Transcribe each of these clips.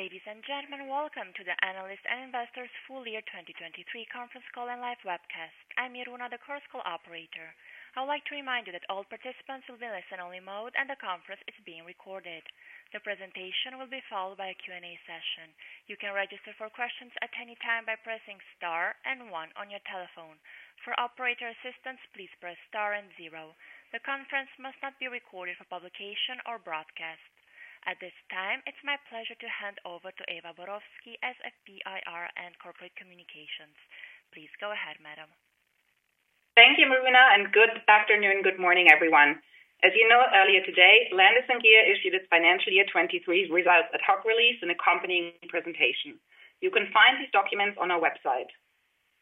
Ladies and gentlemen, welcome to the Analysts and Investors Full Year 2023 Conference Call and Live Webcast. I'm Miruna, the conference call operator. I would like to remind you that all participants will be in listen-only mode and the conference is being recorded. The presentation will be followed by a Q&A session. You can register for questions at any time by pressing star and one on your telephone. For operator assistance, please press star and zero. The conference must not be recorded for publication or broadcast. At this time, it's my pleasure to hand over to Eva Borowski, Senior Vice President, Investor Relations and Corporate Communications. Please go ahead, madam. Thank you, Miruna, and good afternoon and good morning, everyone. As you know, earlier today, Landis+Gyr issued its financial year 2023 results ad hoc release and accompanying presentation. You can find these documents on our website.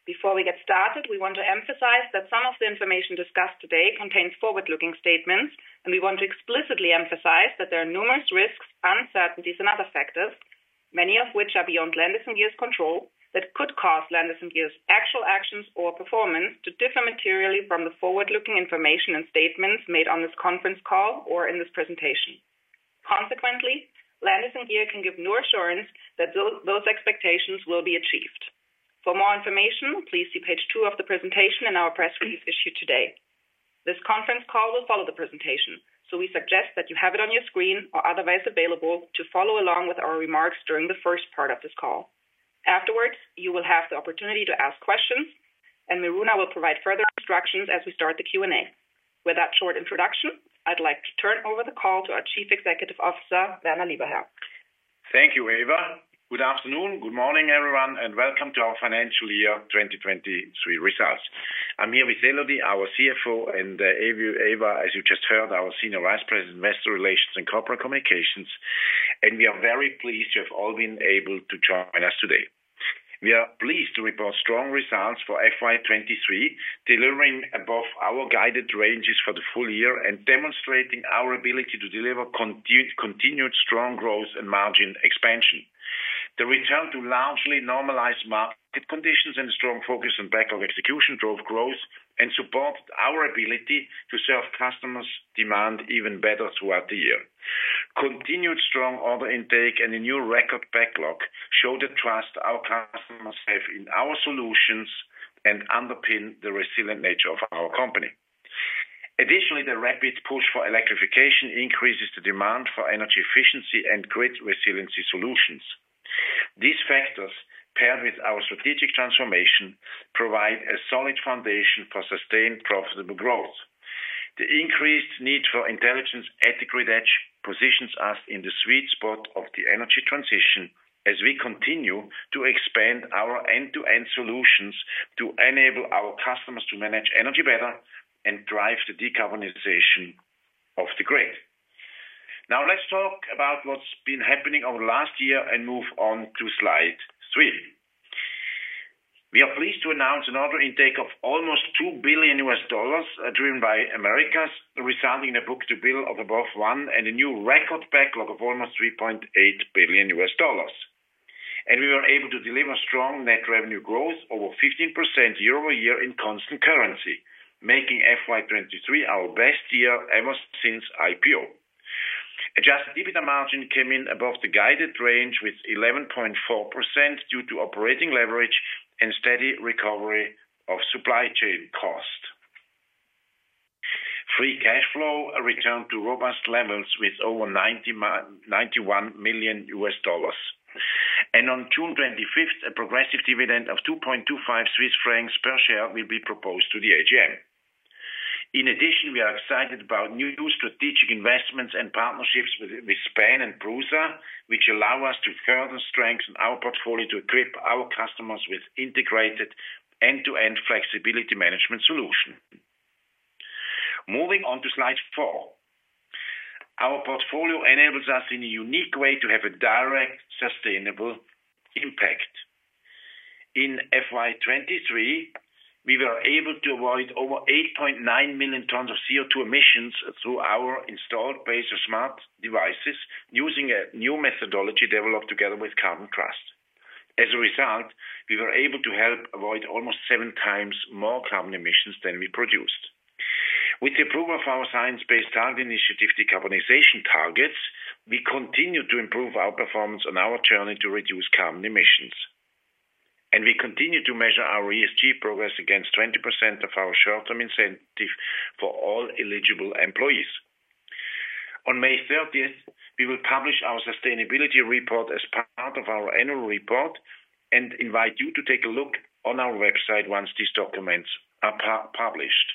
Before we get started, we want to emphasize that some of the information discussed today contains forward-looking statements, and we want to explicitly emphasize that there are numerous risks, uncertainties, and other factors, many of which are beyond Landis+Gyr's control, that could cause Landis+Gyr's actual actions or performance to differ materially from the forward-looking information and statements made on this conference call or in this presentation. Consequently, Landis+Gyr can give no assurance that those expectations will be achieved. For more information, please see page two of the presentation and in our press release issued today. This conference call will follow the presentation, so we suggest that you have it on your screen or otherwise available to follow along with our remarks during the first part of this call. Afterwards, you will have the opportunity to ask questions, and Miruna will provide further instructions as we start the Q&A. With that short introduction, I'd like to turn over the call to our Chief Executive Officer, Werner Lieberherr. Thank you, Eva. Good afternoon, good morning, everyone, and welcome to our financial year 2023 results. I'm here with Elodie, our CFO, and Eva, as you just heard, our Senior Vice President, Investor Relations and Corporate Communications, and we are very pleased you have all been able to join us today. We are pleased to report strong results for FY 2023, delivering above our guided ranges for the full year and demonstrating our ability to deliver continued strong growth and margin expansion. The return to largely normalized market conditions and the strong focus on backlog execution drove growth and supported our ability to serve customers' demand even better throughout the year. Continued strong order intake and a new record backlog show the trust our customers have in our solutions and underpin the resilient nature of our company. Additionally, the rapid push for electrification increases the demand for energy efficiency and grid resiliency solutions. These factors, paired with our strategic transformation, provide a solid foundation for sustained, profitable growth. The increased need for intelligence at the grid edge positions us in the sweet spot of the energy transition as we continue to expand our end-to-end solutions to enable our customers to manage energy better and drive the decarbonization of the grid. Now, let's talk about what's been happening over the last year and move on to slide three. We are pleased to announce an order intake of almost $2 billion driven by Americas, resulting in a book-to-bill of above one and a new record backlog of almost $3.8 billion. And we were able to deliver strong net revenue growth over 15% year-over-year in constant currency, making FY 2023 our best year ever since IPO. Adjusted EBITDA margin came in above the guided range with 11.4% due to operating leverage and steady recovery of supply chain cost. Free cash flow returned to robust levels with over $91 million. On June 25th, a progressive dividend of 2.25 Swiss francs per share will be proposed to the AGM. In addition, we are excited about new strategic investments and partnerships with SPAN and Brusa, which allow us to further strengthen our portfolio to equip our customers with integrated end-to-end flexibility management solutions. Moving on to slide four. Our portfolio enables us in a unique way to have a direct, sustainable impact. In FY 2023, we were able to avoid over 8.9 million tons of CO2 emissions through our installed Pacer Smart devices using a new methodology developed together with Carbon Trust. As a result, we were able to help avoid almost seven times more carbon emissions than we produced. With the approval of our Science Based Targets initiative, decarbonization targets, we continue to improve our performance on our journey to reduce carbon emissions. We continue to measure our ESG progress against 20% of our short-term incentive for all eligible employees. On May 30th, we will publish our sustainability report as part of our annual report and invite you to take a look on our website once these documents are published.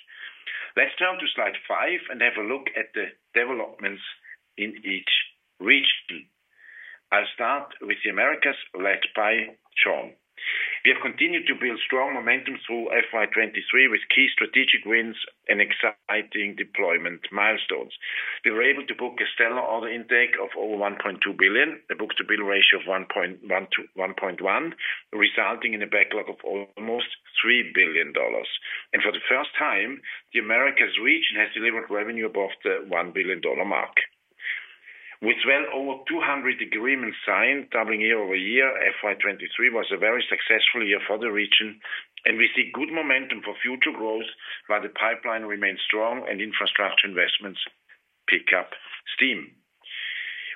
Let's turn to slide five and have a look at the developments in each region. I'll start with the Americas, led by Sean. We have continued to build strong momentum through FY 2023 with key strategic wins and exciting deployment milestones. We were able to book a stellar order intake of over $1.2 billion, a Book-to-Bill ratio of 1.1 to 1.1, resulting in a backlog of almost $3 billion. For the first time, the Americas region has delivered revenue above the $1 billion mark. With well over 200 agreements signed doubling year-over-year, FY 2023 was a very successful year for the region, and we see good momentum for future growth while the pipeline remains strong and infrastructure investments pick up steam.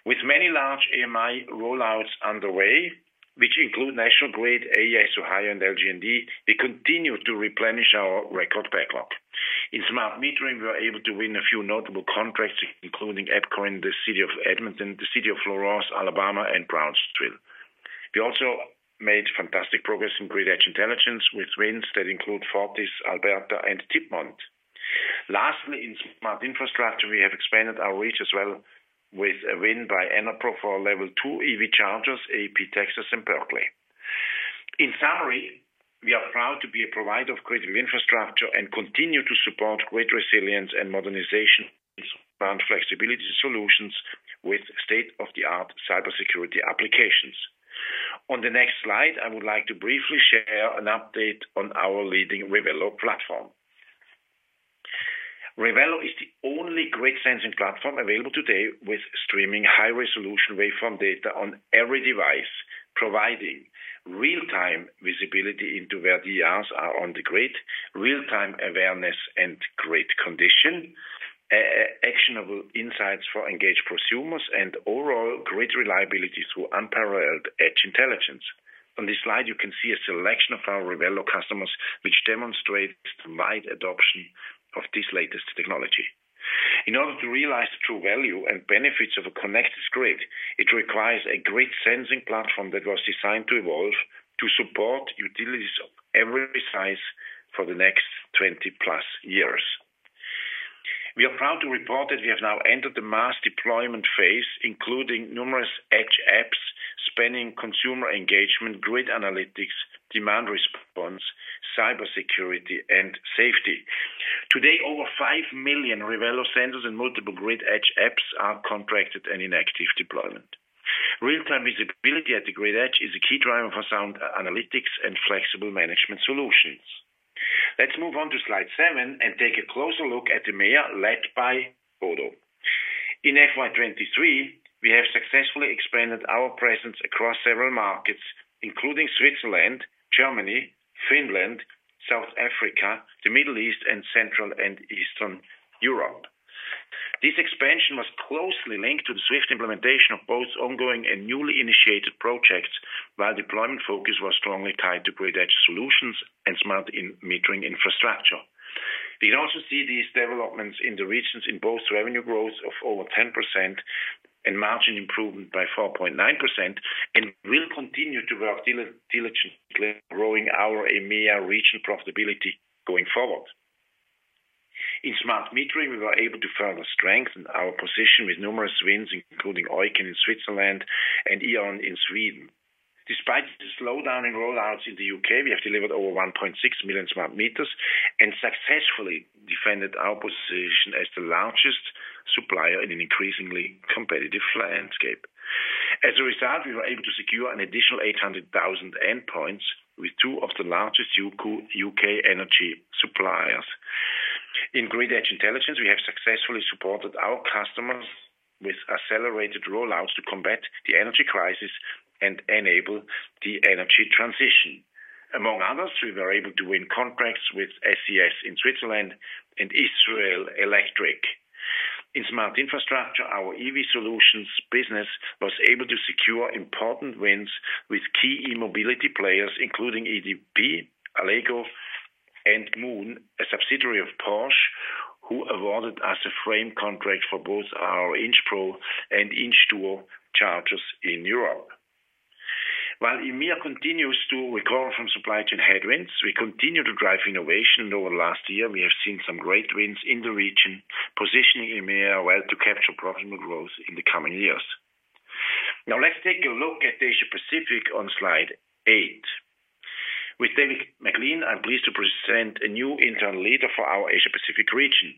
With many large AMI rollouts underway, which include National Grid, AES Ohio, and LG&E, we continue to replenish our record backlog. In smart metering, we were able to win a few notable contracts, including EPCOR in the city of Edmonton, the city of Florence, Alabama, and Brownsville. We also made fantastic progress in Grid Edge Intelligence with wins that include FortisAlberta and Tipmont. Lastly, in smart infrastructure, we have expanded our reach as well with a win by Enerpro for Level 2 EV chargers, AEP Texas, and Berkeley. In summary, we are proud to be a provider of smart infrastructure and continue to support grid resilience and modernization around flexibility solutions with state-of-the-art cybersecurity applications. On the next slide, I would like to briefly share an update on our leading Revelo platform. Revelo is the only grid sensing platform available today with streaming high-resolution waveform data on every device, providing real-time visibility into where the yards are on the grid, real-time awareness and grid condition, actionable insights for engaged prosumers, and overall grid reliability through unparalleled edge intelligence. On this slide, you can see a selection of our Revelo customers, which demonstrates wide adoption of this latest technology. In order to realize the true value and benefits of a connected grid, it requires a grid sensing platform that was designed to evolve to support utilities of every size for the next 20+ years. We are proud to report that we have now entered the mass deployment phase, including numerous edge apps spanning consumer engagement, grid analytics, demand response, cybersecurity, and safety. Today, over 5 million Revelo sensors and multiple grid edge apps are contracted and in active deployment. Real-time visibility at the grid edge is a key driver for sound analytics and flexible management solutions. Let's move on to slide seven and take a closer look at the EMEA, led by Bodo. In FY 2023, we have successfully expanded our presence across several markets, including Switzerland, Germany, Finland, South Africa, the Middle East, and Central and Eastern Europe. This expansion was closely linked to the swift implementation of both ongoing and newly initiated projects while deployment focus was strongly tied to grid edge solutions and smart metering infrastructure. We can also see these developments in the regions in both revenue growth of over 10% and margin improvement by 4.9% and will continue to work diligently, growing our EMEA region profitability going forward. In smart metering, we were able to further strengthen our position with numerous wins, including OIKEN in Switzerland and E.ON in Sweden. Despite the slowdown in rollouts in the U.K., we have delivered over 1.6 million smart meters and successfully defended our position as the largest supplier in an increasingly competitive landscape. As a result, we were able to secure an additional 800,000 endpoints with two of the largest U.K. energy suppliers. In Grid Edge Intelligence, we have successfully supported our customers with accelerated rollouts to combat the energy crisis and enable the energy transition. Among others, we were able to win contracts with SES in Switzerland and Israel Electric. In Smart Infrastructure, our EV solutions business was able to secure important wins with key e-mobility players, including EDP, Allego, and Moon, a subsidiary of Porsche, who awarded us a frame contract for both our Inch Pro and Inch Duo chargers in Europe. While EMEA continues to recover from supply chain headwinds, we continue to drive innovation. Over the last year, we have seen some great wins in the region, positioning EMEA well to capture profitable growth in the coming years. Now, let's take a look at Asia Pacific on slide eight. With David MacLean, I'm pleased to present a new internal leader for our Asia Pacific region.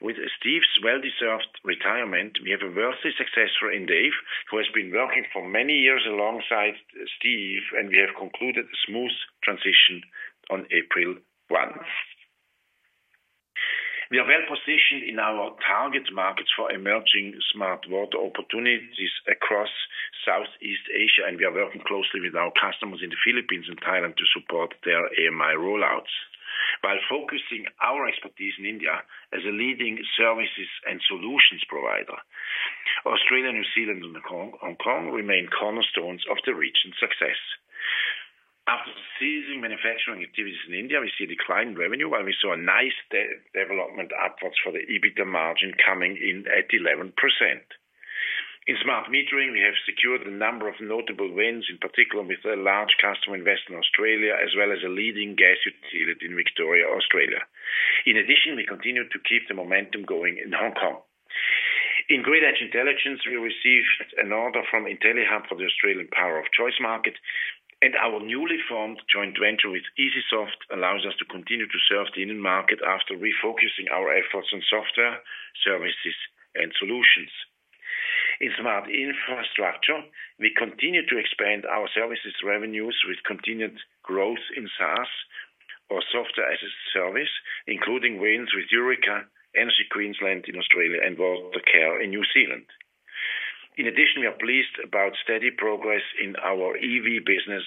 With Steve's well-deserved retirement, we have a worthy successor in Dave, who has been working for many years alongside Steve, and we have concluded a smooth transition on April 1. We are well positioned in our target markets for emerging smart water opportunities across Southeast Asia, and we are working closely with our customers in the Philippines and Thailand to support their AMI rollouts while focusing our expertise in India as a leading services and solutions provider. Australia, New Zealand, and Hong Kong remain cornerstones of the region's success. After ceasing manufacturing activities in India, we see a decline in revenue, while we saw a nice development upwards for the EBITDA margin coming in at 11%. In smart metering, we have secured a number of notable wins, in particular with a large customer investment in Australia, as well as a leading gas utility in Victoria, Australia. In addition, we continue to keep the momentum going in Hong Kong. In grid edge intelligence, we received an order from Intellihub for the Australian Power of Choice market, and our newly formed joint venture with Esyasoft allows us to continue to serve the India market after refocusing our efforts on software services and solutions. In smart infrastructure, we continue to expand our services revenues with continued growth in SaaS or software as a service, including wins with Yurika, Energy Queensland in Australia, and Watercare in New Zealand. In addition, we are pleased about steady progress in our EV business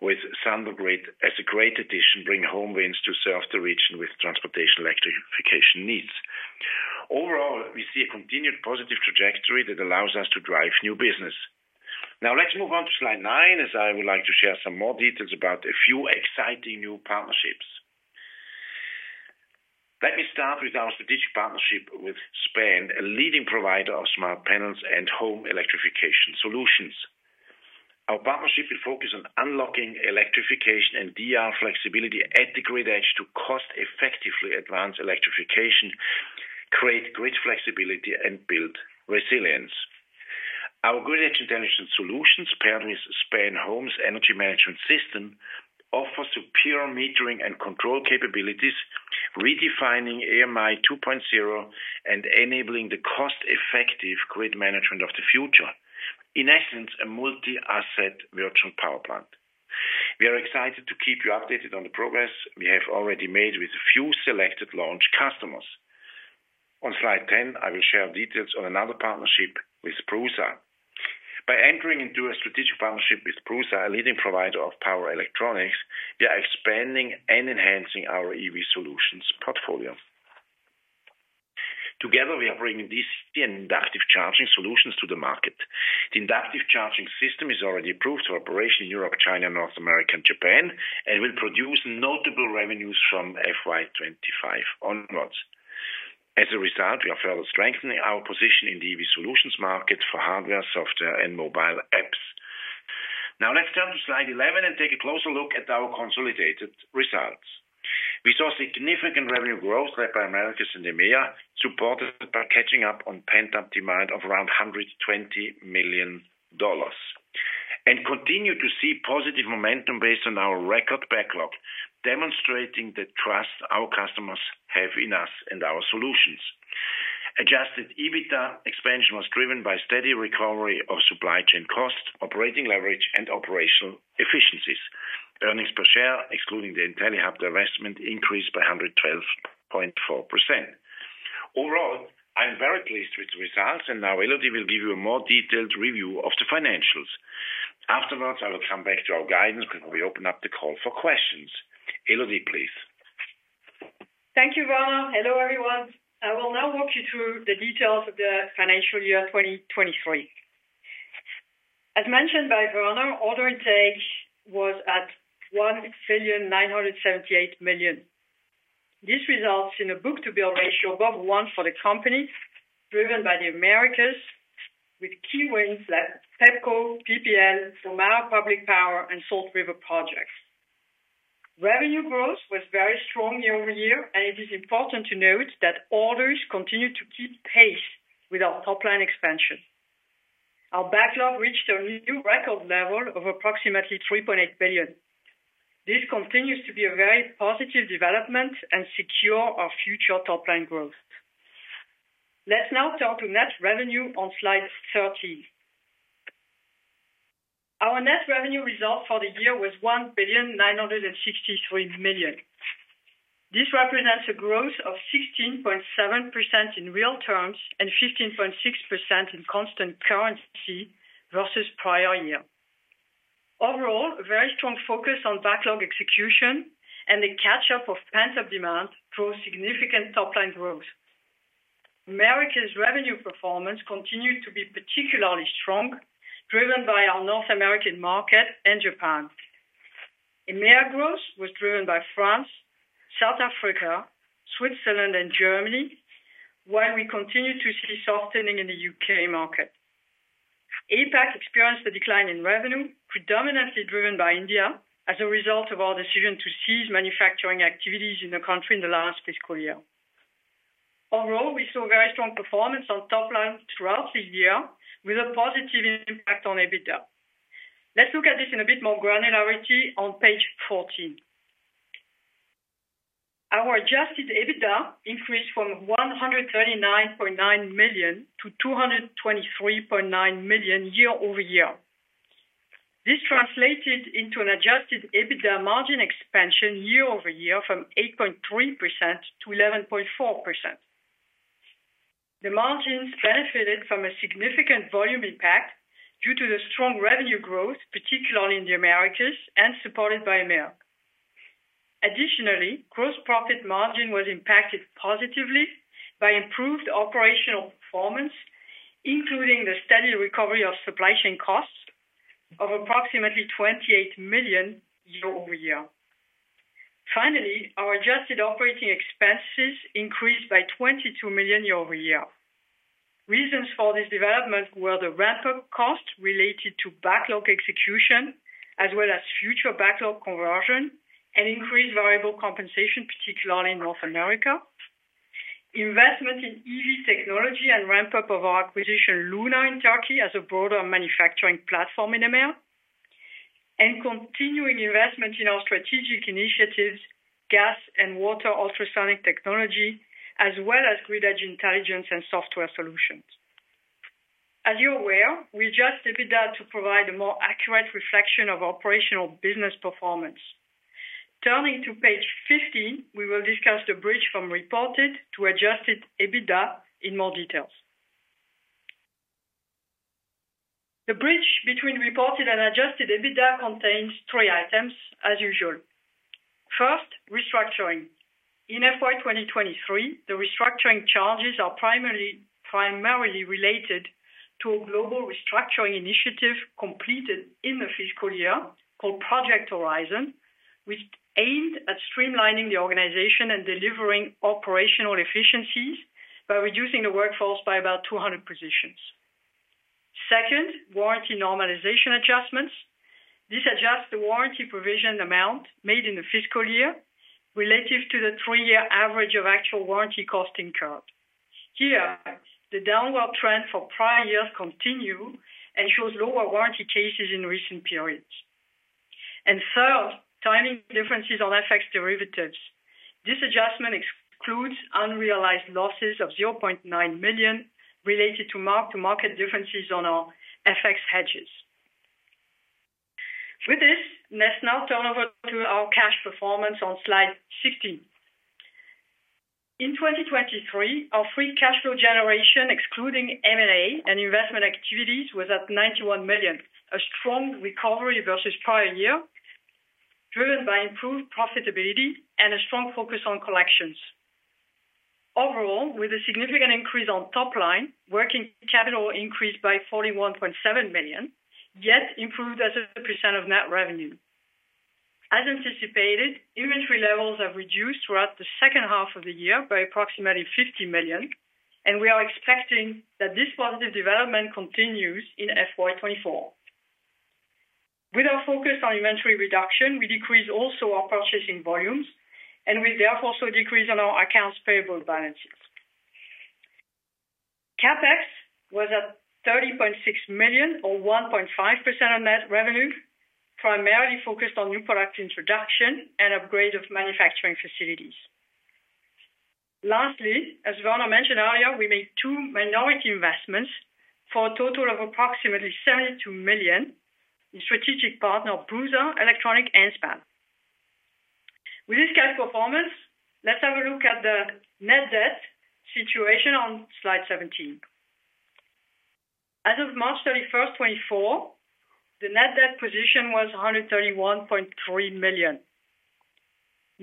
with Thundergrid as a great addition, bringing home wins to serve the region with transportation electrification needs. Overall, we see a continued positive trajectory that allows us to drive new business. Now, let's move on to slide nine, as I would like to share some more details about a few exciting new partnerships. Let me start with our strategic partnership with SPAN, a leading provider of smart panels and home electrification solutions. Our partnership will focus on unlocking electrification and DR flexibility at the grid edge to cost-effectively advance electrification, create grid flexibility, and build resilience. Our grid edge intelligence solutions, paired with SPAN Home's energy management system, offer superior metering and control capabilities, redefining AMI 2.0 and enabling the cost-effective grid management of the future. In essence, a multi-asset virtual power plant. We are excited to keep you updated on the progress we have already made with a few selected launch customers. On slide 10, I will share details on another partnership with Brusa. By entering into a strategic partnership with Brusa, a leading provider of power electronics, we are expanding and enhancing our EV solutions portfolio. Together, we are bringing DC and inductive charging solutions to the market. The inductive charging system is already approved for operation in Europe, China, North America, and Japan, and will produce notable revenues from FY 2025 onwards. As a result, we are further strengthening our position in the EV solutions market for hardware, software, and mobile apps. Now, let's turn to slide 11 and take a closer look at our consolidated results. We saw significant revenue growth led by Americas and EMEA, supported by catching up on pent-up demand of around $120 million, and continue to see positive momentum based on our record backlog, demonstrating the trust our customers have in us and our solutions. Adjusted EBITDA expansion was driven by steady recovery of supply chain cost, operating leverage, and operational efficiencies. Earnings per share, excluding the Intellihub investment, increased by 112.4%. Overall, I'm very pleased with the results, and now Elodie will give you a more detailed review of the financials. Afterwards, I will come back to our guidance before we open up the call for questions. Elodie, please. Thank you, Werner. Hello, everyone. I will now walk you through the details of the financial year 2023. As mentioned by Werner, order intake was at 1,978 million. This results in a book-to-bill ratio above one for the company, driven by the Americas, with key wins like Pepco, PPL, Omaha Public Power, and Salt River Project. Revenue growth was very strong year-over-year, and it is important to note that orders continue to keep pace with our top-line expansion. Our backlog reached a new record level of approximately 3.8 billion. This continues to be a very positive development and secures our future top-line growth. Let's now turn to net revenue on slide 13. Our net revenue result for the year was 1,963 million. This represents a growth of 16.7% in real terms and 15.6% in constant currency versus prior year. Overall, a very strong focus on backlog execution and the catch-up of pent-up demand drove significant top-line growth. Americas' revenue performance continued to be particularly strong, driven by our North American market and Japan. EMEA growth was driven by France, South Africa, Switzerland, and Germany, while we continue to see softening in the U.K. market. APAC experienced a decline in revenue, predominantly driven by India as a result of our decision to cease manufacturing activities in the country in the last fiscal year. Overall, we saw very strong performance on top-line throughout the year, with a positive impact on EBITDA. Let's look at this in a bit more granularity on page 14. Our adjusted EBITDA increased from 139.9 million to 223.9 million year over year. This translated into an adjusted EBITDA margin expansion year over year from 8.3% to 11.4%. The margins benefited from a significant volume impact due to the strong revenue growth, particularly in the Americas, and supported by EMEA. Additionally, gross profit margin was impacted positively by improved operational performance, including the steady recovery of supply chain costs of approximately 28 million year-over-year. Finally, our adjusted operating expenses increased by CHF 22 million year-over-year. Reasons for this development were the ramp-up costs related to backlog execution, as well as future backlog conversion and increased variable compensation, particularly in North America, investment in EV technology and ramp-up of our acquisition Luna in Turkey as a broader manufacturing platform in EMEA, and continuing investment in our strategic initiatives, gas and water ultrasonic technology, as well as grid edge intelligence and software solutions. As you're aware, we adjust EBITDA to provide a more accurate reflection of operational business performance. Turning to page 15, we will discuss the bridge from reported to Adjusted EBITDA in more details. The bridge between reported and Adjusted EBITDA contains three items, as usual. First, restructuring. In FY 2023, the restructuring charges are primarily related to a global restructuring initiative completed in the fiscal year called Project Horizon, which aimed at streamlining the organization and delivering operational efficiencies by reducing the workforce by about 200 positions. Second, warranty normalization adjustments. This adjusts the warranty provision amount made in the fiscal year relative to the three-year average of actual warranty cost incurred. Here, the downward trend for prior years continues and shows lower warranty cases in recent periods. And third, timing differences on FX derivatives. This adjustment excludes unrealized losses of 0.9 million related to mark-to-market differences on our FX hedges. With this, let's now turn over to our cash performance on slide 16. In 2023, our free cash flow generation, excluding M&A and investment activities, was at 91 million, a strong recovery versus prior year, driven by improved profitability and a strong focus on collections. Overall, with a significant increase on top-line, working capital increased by 41.7 million, yet improved as a percent of net revenue. As anticipated, inventory levels have reduced throughout the second half of the year by approximately 50 million, and we are expecting that this positive development continues in FY 2024. With our focus on inventory reduction, we decreased also our purchasing volumes, and we therefore also decreased on our accounts payable balances. CapEx was at 30.6 million or 1.5% of net revenue, primarily focused on new product introduction and upgrade of manufacturing facilities. Lastly, as Werner mentioned earlier, we made two minority investments for a total of approximately 72 million in strategic partner Brusa Elektronik and SPAN. With this cash performance, let's have a look at the net debt situation on slide 17. As of March 31st, 2024, the net debt position was 131.3 million.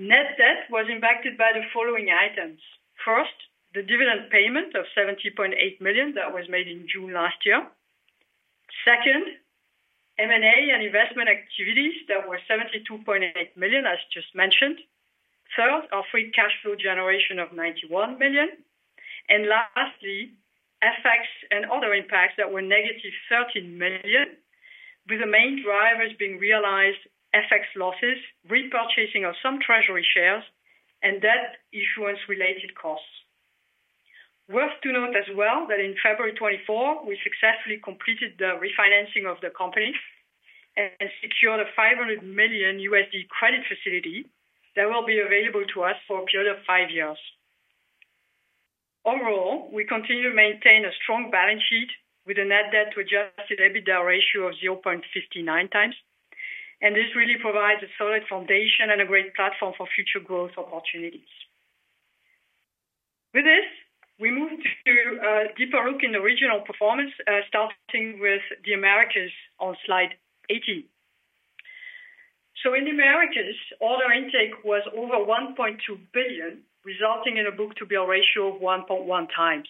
Net debt was impacted by the following items. First, the dividend payment of 70.8 million that was made in June last year. Second, M&A and investment activities that were 72.8 million, as just mentioned. Third, our free cash flow generation of 91 million. And lastly, FX and other impacts that were -13 million, with the main drivers being realized FX losses, repurchasing of some treasury shares, and debt issuance-related costs. Worth to note as well that in February 2024, we successfully completed the refinancing of the company and secured a $500 million USD credit facility that will be available to us for a period of five years. Overall, we continue to maintain a strong balance sheet with a net debt to Adjusted EBITDA ratio of 0.59x, and this really provides a solid foundation and a great platform for future growth opportunities. With this, we move to a deeper look in the regional performance, starting with the Americas on slide 80. In the Americas, order intake was over 1.2 billion, resulting in a book-to-bill ratio of 1.1x.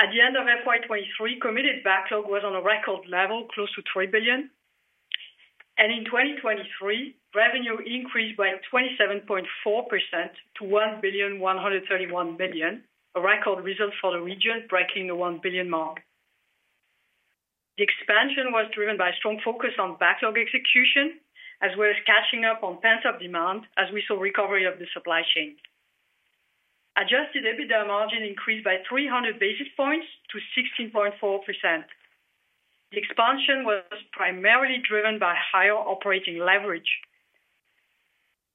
At the end of FY 2023, committed backlog was on a record level, close to 3 billion. In 2023, revenue increased by 27.4% to 1.131 billion, a record result for the region, breaking the 1 billion mark. The expansion was driven by a strong focus on backlog execution as well as catching up on pent-up demand, as we saw recovery of the supply chain. Adjusted EBITDA margin increased by 300 basis points to 16.4%. The expansion was primarily driven by higher operating leverage.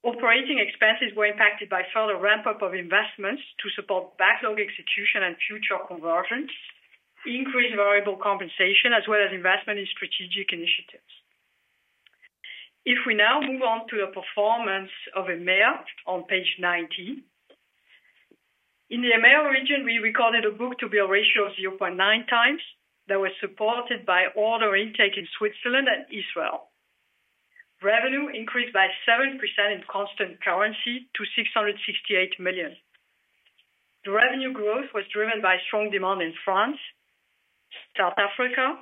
Operating expenses were impacted by further ramp-up of investments to support backlog execution and future conversions, increased variable compensation, as well as investment in strategic initiatives. If we now move on to the performance of EMEA on page 90. In the EMEA region, we recorded a book-to-bill ratio of 0.9x that was supported by order intake in Switzerland and Israel. Revenue increased by 7% in constant currency to 668 million. The revenue growth was driven by strong demand in France, South Africa,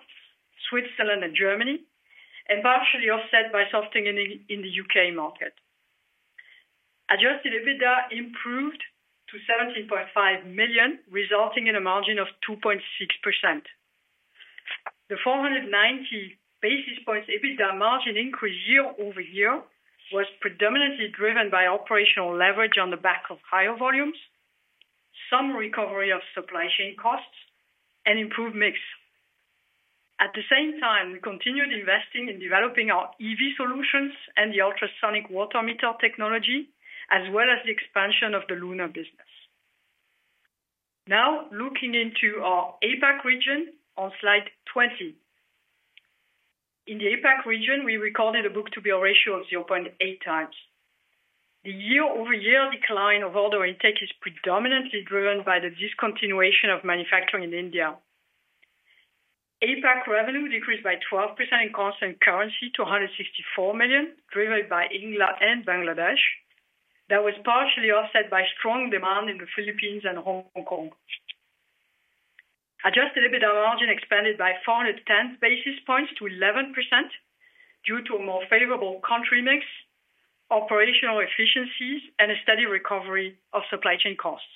Switzerland, and Germany, and partially offset by softening in the U.K. market. Adjusted EBITDA improved to 17.5 million, resulting in a margin of 2.6%. The 490 basis points EBITDA margin increase year-over-year was predominantly driven by operational leverage on the back of higher volumes, some recovery of supply chain costs, and improved mix. At the same time, we continued investing in developing our EV solutions and the ultrasonic water meter technology, as well as the expansion of the Luna business. Now, looking into our APAC region on slide 20. In the APAC region, we recorded a book-to-bill ratio of 0.8x. The year-over-year decline of order intake is predominantly driven by the discontinuation of manufacturing in India. APAC revenue decreased by 12% in constant currency to 164 million, driven by India and Bangladesh, that was partially offset by strong demand in the Philippines and Hong Kong. Adjusted EBITDA margin expanded by 410 basis points to 11% due to a more favorable country mix, operational efficiencies, and a steady recovery of supply chain costs.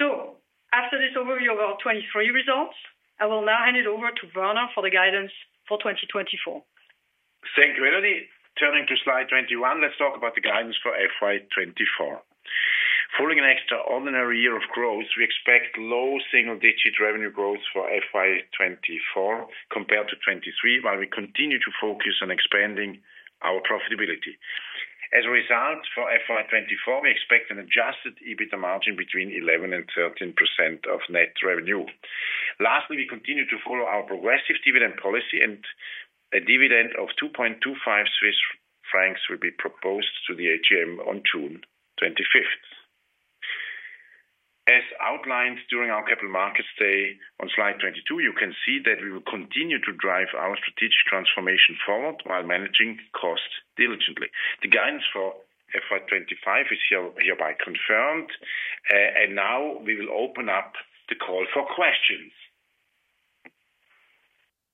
So after this overview of our 2023 results, I will now hand it over to Werner for the guidance for 2024. Thank you, Elodie. Turning to slide 21, let's talk about the guidance for FY 2024. Following an extraordinary year of growth, we expect low single-digit revenue growth for FY 2024 compared to 2023, while we continue to focus on expanding our profitability. As a result, for FY 2024, we expect an Adjusted EBITDA margin between 11%-13% of net revenue. Lastly, we continue to follow our progressive dividend policy, and a dividend of 2.25 Swiss francs will be proposed to the AGM on June 25th. As outlined during our Capital Markets Day on slide 22, you can see that we will continue to drive our strategic transformation forward while managing costs diligently. The guidance for FY 2025 is hereby confirmed, and now we will open up the call for questions.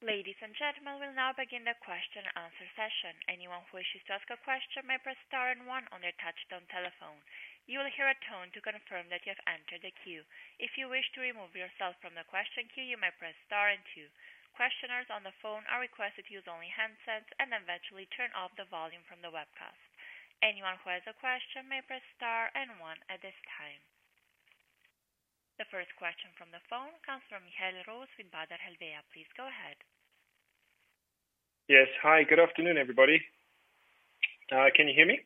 Ladies and gentlemen, we'll now begin the question-and-answer session. Anyone who wishes to ask a question may press star and one on their touch-tone telephone. You will hear a tone to confirm that you have entered the queue. If you wish to remove yourself from the question queue, you may press star and two. Participants on the phone are requested to use only handsets and to turn off the volume from the webcast. Anyone who has a question may press star and one at this time. The first question from the phone comes from Michael Roese with Baader Helvea. Please go ahead. Yes. Hi. Good afternoon, everybody. Can you hear me?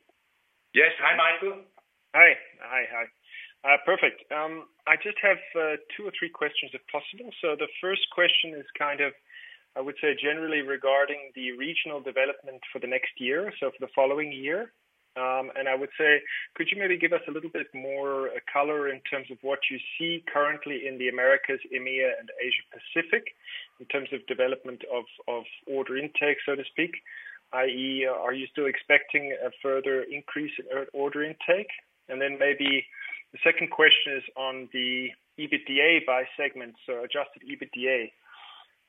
Yes. Hi, Michael. Hi. Hi, hi. Perfect. I just have two or three questions, if possible. So the first question is kind of, I would say, generally regarding the regional development for the next year, so for the following year. And I would say, could you maybe give us a little bit more color in terms of what you see currently in the Americas, EMEA, and Asia-Pacific in terms of development of order intake, so to speak, i.e., are you still expecting a further increase in order intake? And then maybe the second question is on the Adjusted EBITDA by segment, so Adjusted EBITDA.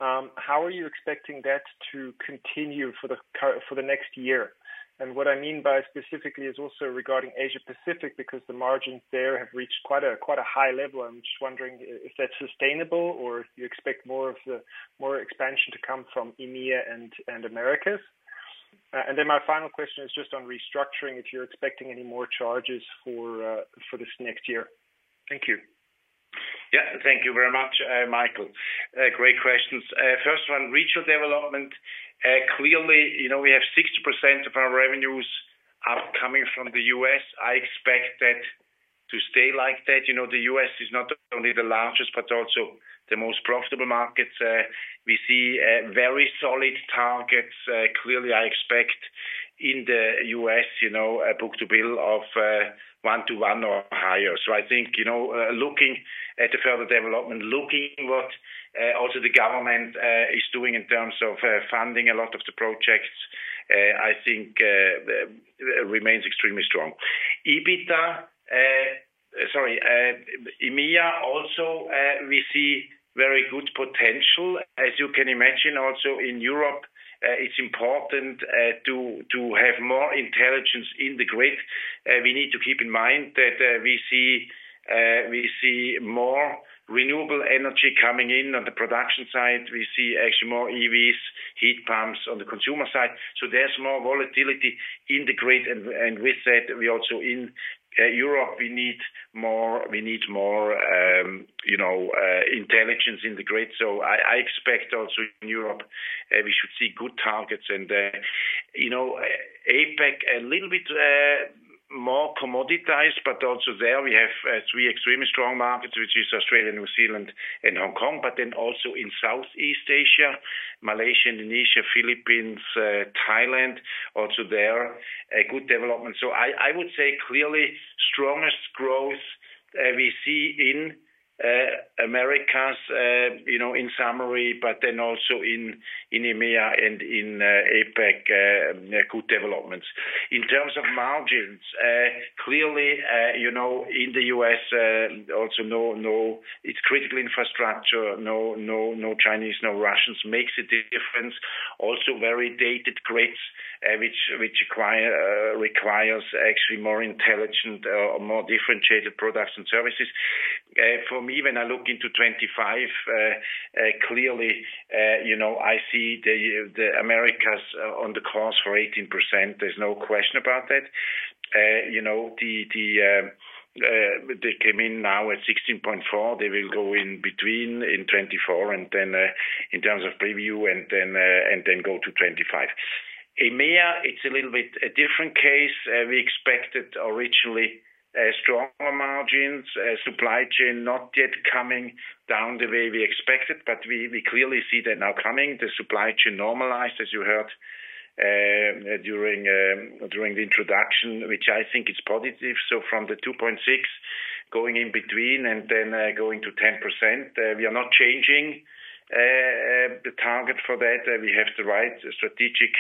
How are you expecting that to continue for the next year? And what I mean by specifically is also regarding Asia-Pacific because the margins there have reached quite a high level. I'm just wondering if that's sustainable or if you expect more expansion to come from EMEA and Americas. And then my final question is just on restructuring, if you're expecting any more charges for this next year? Thank you. Yeah. Thank you very much, Michael. Great questions. First one, regional development. Clearly, we have 60% of our revenues coming from the U.S. I expect that to stay like that. The U.S. is not only the largest but also the most profitable markets. We see very solid targets. Clearly, I expect in the U.S. a book-to-bill of 1 to 1 or higher. So I think looking at the further development, looking what also the government is doing in terms of funding a lot of the projects, I think remains extremely strong. EBITDA sorry, EMEA also, we see very good potential. As you can imagine, also in Europe, it's important to have more intelligence in the grid. We need to keep in mind that we see more renewable energy coming in on the production side. We see actually more EVs, heat pumps on the consumer side. So there's more volatility in the grid. And with that, we also in Europe, we need more intelligence in the grid. So I expect also in Europe, we should see good targets. And APAC, a little bit more commoditized, but also there, we have three extremely strong markets, which is Australia, New Zealand, and Hong Kong, but then also in Southeast Asia, Malaysia, Indonesia, Philippines, Thailand, also there, good development. So I would say clearly strongest growth we see in Americas, in summary, but then also in EMEA and in APAC, good developments. In terms of margins, clearly, in the U.S., also it's critical infrastructure. No Chinese, no Russians makes a difference. Also very dated grids, which requires actually more intelligent or more differentiated products and services. For me, when I look into 2025, clearly, I see the Americas on the course for 18%. There's no question about that. They came in now at 16.4. They will go in between in 2024 and then in terms of preview and then go to 2025. EMEA, it's a little bit a different case. We expected originally stronger margins, supply chain not yet coming down the way we expected, but we clearly see that now coming. The supply chain normalized, as you heard during the introduction, which I think is positive. So from the 2.6 going in between and then going to 10%, we are not changing the target for that. We have the right strategic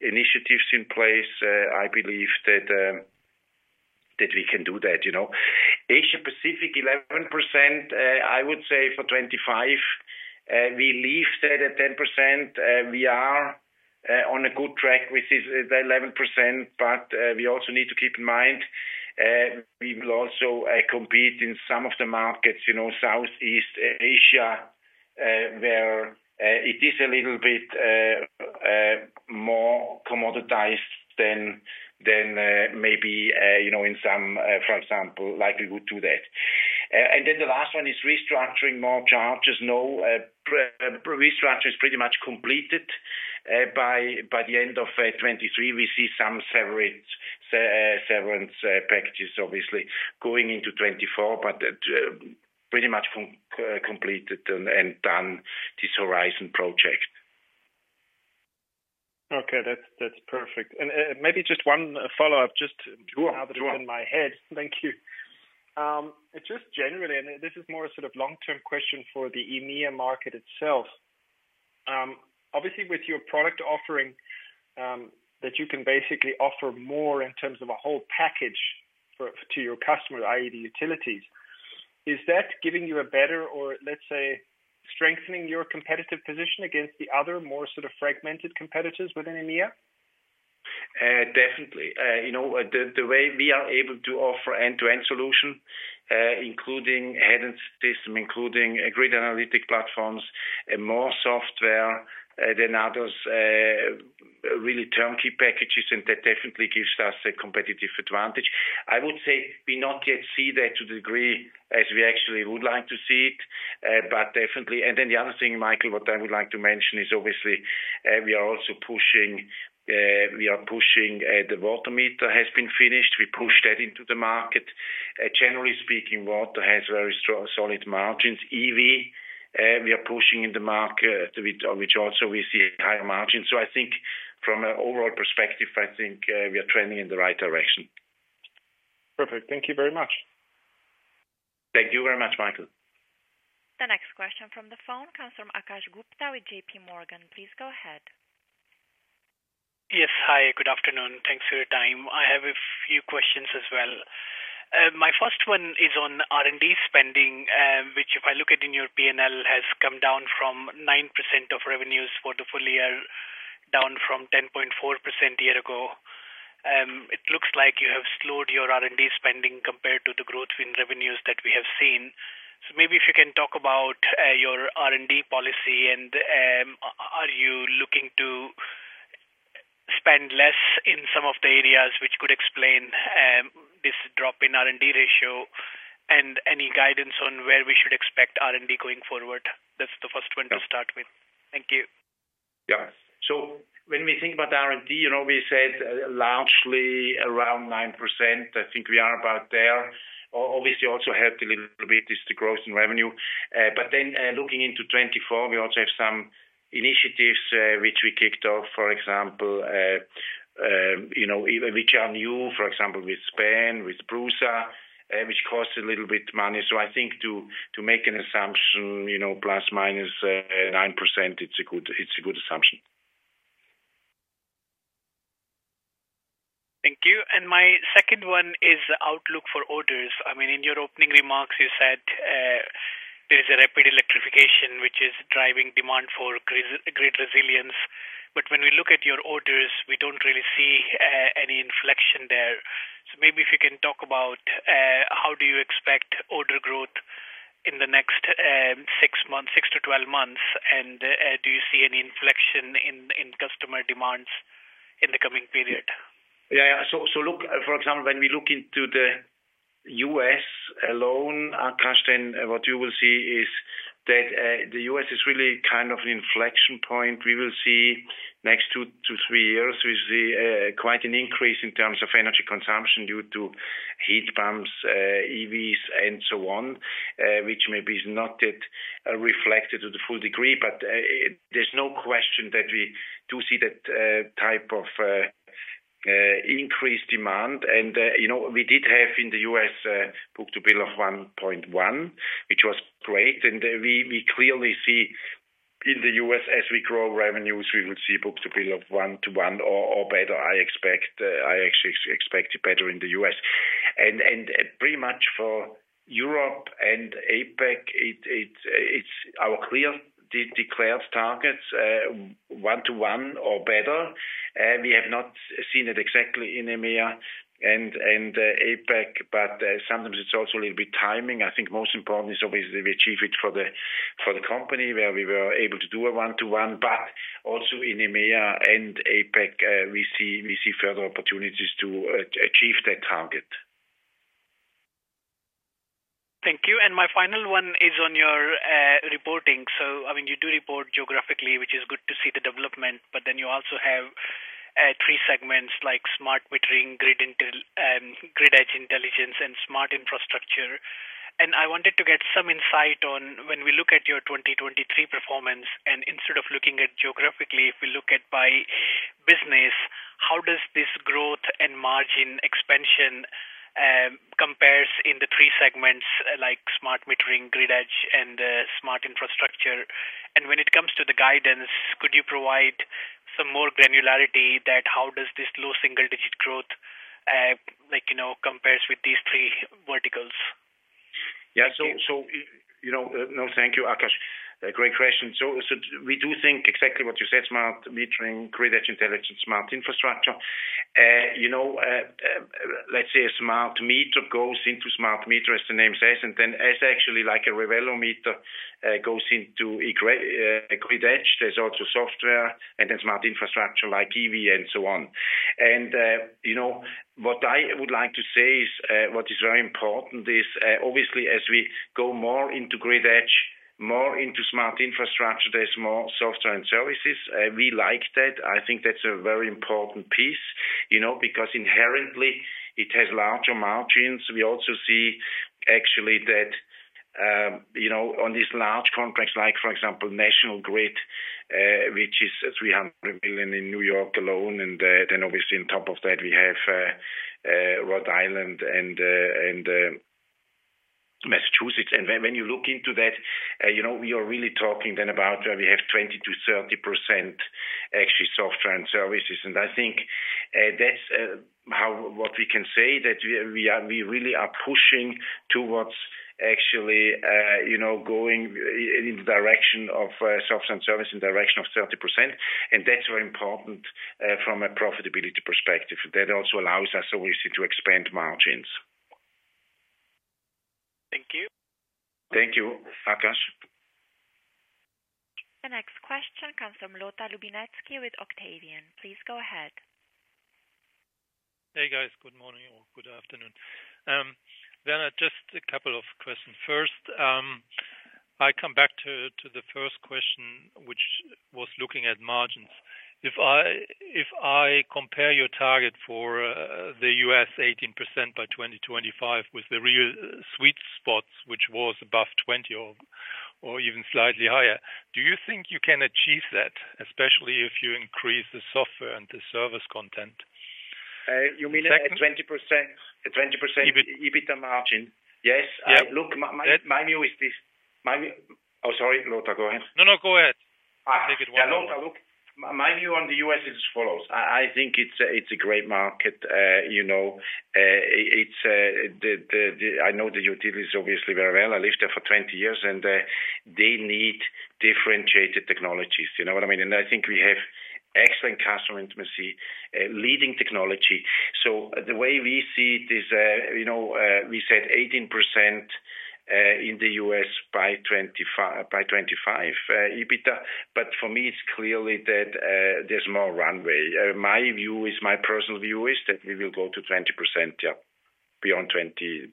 initiatives in place. I believe that we can do that. Asia-Pacific, 11%, I would say for 2025. We leave that at 10%. We are on a good track with the 11%, but we also need to keep in mind we will also compete in some of the markets, Southeast Asia, where it is a little bit more commoditized than maybe in some, for example, likely would do that. Then the last one is restructuring more charges. No, restructuring is pretty much completed. By the end of 2023, we see some severance packages, obviously, going into 2024, but pretty much completed and done, this Horizon project. Okay. That's perfect. And maybe just one follow-up, just now that it's in my head. Thank you. Just generally, and this is more a sort of long-term question for the EMEA market itself, obviously, with your product offering that you can basically offer more in terms of a whole package to your customers, i.e., the utilities, is that giving you a better or, let's say, strengthening your competitive position against the other more sort of fragmented competitors within EMEA? Definitely. The way we are able to offer end-to-end solution, including head-end system, including grid analytic platforms, more software than others, really turnkey packages, and that definitely gives us a competitive advantage. I would say we not yet see that to the degree as we actually would like to see it, but definitely. And then the other thing, Michael, what I would like to mention is, obviously, we are also pushing the water meter has been finished. We pushed that into the market. Generally speaking, water has very solid margins. EV, we are pushing in the market, which also we see higher margins. So I think from an overall perspective, I think we are trending in the right direction. Perfect. Thank you very much. Thank you very much, Michael. The next question from the phone comes from Akash Gupta with JPMorgan. Please go ahead. Yes. Hi. Good afternoon. Thanks for your time. I have a few questions as well. My first one is on R&D spending, which if I look at in your P&L, has come down from 9% of revenues for the full year, down from 10.4% a year ago. It looks like you have slowed your R&D spending compared to the growth in revenues that we have seen. So maybe if you can talk about your R&D policy, and are you looking to spend less in some of the areas which could explain this drop in R&D ratio, and any guidance on where we should expect R&D going forward? That's the first one to start with. Thank you. Yeah. So when we think about R&D, we said largely around 9%. I think we are about there. Obviously, also helped a little bit is the growth in revenue. But then looking into 2024, we also have some initiatives which we kicked off, for example, which are new, for example, with SPAN, with Brusa, which cost a little bit money. So I think to make an assumption, ±9%, it's a good assumption. Thank you. My second one is the outlook for orders. I mean, in your opening remarks, you said there is a rapid electrification, which is driving demand for grid resilience. But when we look at your orders, we don't really see any inflection there. So maybe if you can talk about how do you expect order growth in the next six to 12 months, and do you see any inflection in customer demands in the coming period? Yeah. Yeah. So look, for example, when we look into the U.S. alone, Akash, then what you will see is that the U.S. is really kind of an inflection point. We will see next two to three years, we see quite an increase in terms of energy consumption due to heat pumps, EVs, and so on, which maybe is not yet reflected to the full degree. But there's no question that we do see that type of increased demand. And we did have in the U.S. Book-to-Bill of 1:1, which was great. And we clearly see in the U.S., as we grow revenues, we will see Book-to-Bill of 1:1 or better. I expect I actually expect it better in the U.S. And pretty much for Europe and APAC, it's our clear declared targets, 1:1 or better. We have not seen it exactly in EMEA and APAC, but sometimes it's also a little bit timing. I think most important is, obviously, we achieve it for the company where we were able to do a 1:1. But also in EMEA and APAC, we see further opportunities to achieve that target. Thank you. And my final one is on your reporting. So I mean, you do report geographically, which is good to see the development, but then you also have three segments like smart metering, grid edge intelligence, and smart infrastructure. And I wanted to get some insight on when we look at your 2023 performance, and instead of looking at geographically, if we look at by business, how does this growth and margin expansion compare in the three segments like smart metering, grid edge, and smart infrastructure? And when it comes to the guidance, could you provide some more granularity that how does this low single-digit growth compare with these three verticals? Yeah. So no, thank you, Akash. Great question. So we do think exactly what you said, smart metering, grid edge intelligence, smart infrastructure. Let's say a smart meter goes into smart meter, as the name says, and then as actually like a Revelo meter goes into grid edge, there's also software and then smart infrastructure like EV and so on. And what I would like to say is what is very important is, obviously, as we go more into grid edge, more into smart infrastructure, there's more software and services. We like that. I think that's a very important piece because inherently, it has larger margins. We also see actually that on these large contracts like, for example, National Grid, which is $300 million in New York alone, and then obviously, on top of that, we have Rhode Island and Massachusetts. When you look into that, we are really talking then about where we have 20%-30% actually software and services. I think that's what we can say, that we really are pushing towards actually going in the direction of software and service, in the direction of 30%. That's very important from a profitability perspective. That also allows us, obviously, to expand margins. Thank you. Thank you, Akash. The next question comes from Lotta Lublin with Octavian. Please go ahead. Hey, guys. Good morning or good afternoon. Werner, just a couple of questions. First, I come back to the first question, which was looking at margins. If I compare your target for the U.S., 18% by 2025, with the real sweet spots, which was above 20% or even slightly higher, do you think you can achieve that, especially if you increase the software and the service content? You mean a 20% EBITDA margin? Yes. Look, my view is this. Oh, sorry, Lotta, go ahead. No, no, go ahead. Take it one more time. Yeah, Lotta, look, my view on the U.S. is as follows. I think it's a great market. I know the utilities, obviously, very well. I lived there for 20 years, and they need differentiated technologies. You know what I mean? And I think we have excellent customer intimacy, leading technology. So the way we see it is we said 18% in the U.S. by 2025 EBITDA. But for me, it's clearly that there's more runway. My view is my personal view is that we will go to 20%, yeah, beyond 25%.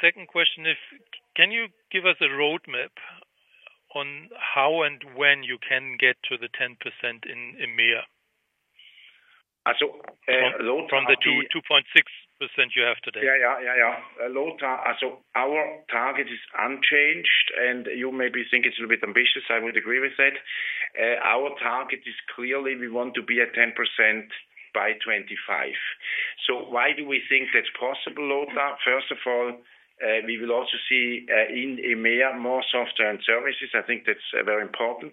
Second question, can you give us a roadmap on how and when you can get to the 10% in EMEA? So Lotta. From the 2.6% you have today. Yeah, yeah, yeah, yeah. Lotta, our target is unchanged. You maybe think it's a little bit ambitious. I would agree with that. Our target is clearly we want to be at 10% by 2025. Why do we think that's possible, Lotta? First of all, we will also see in EMEA more software and services. I think that's very important.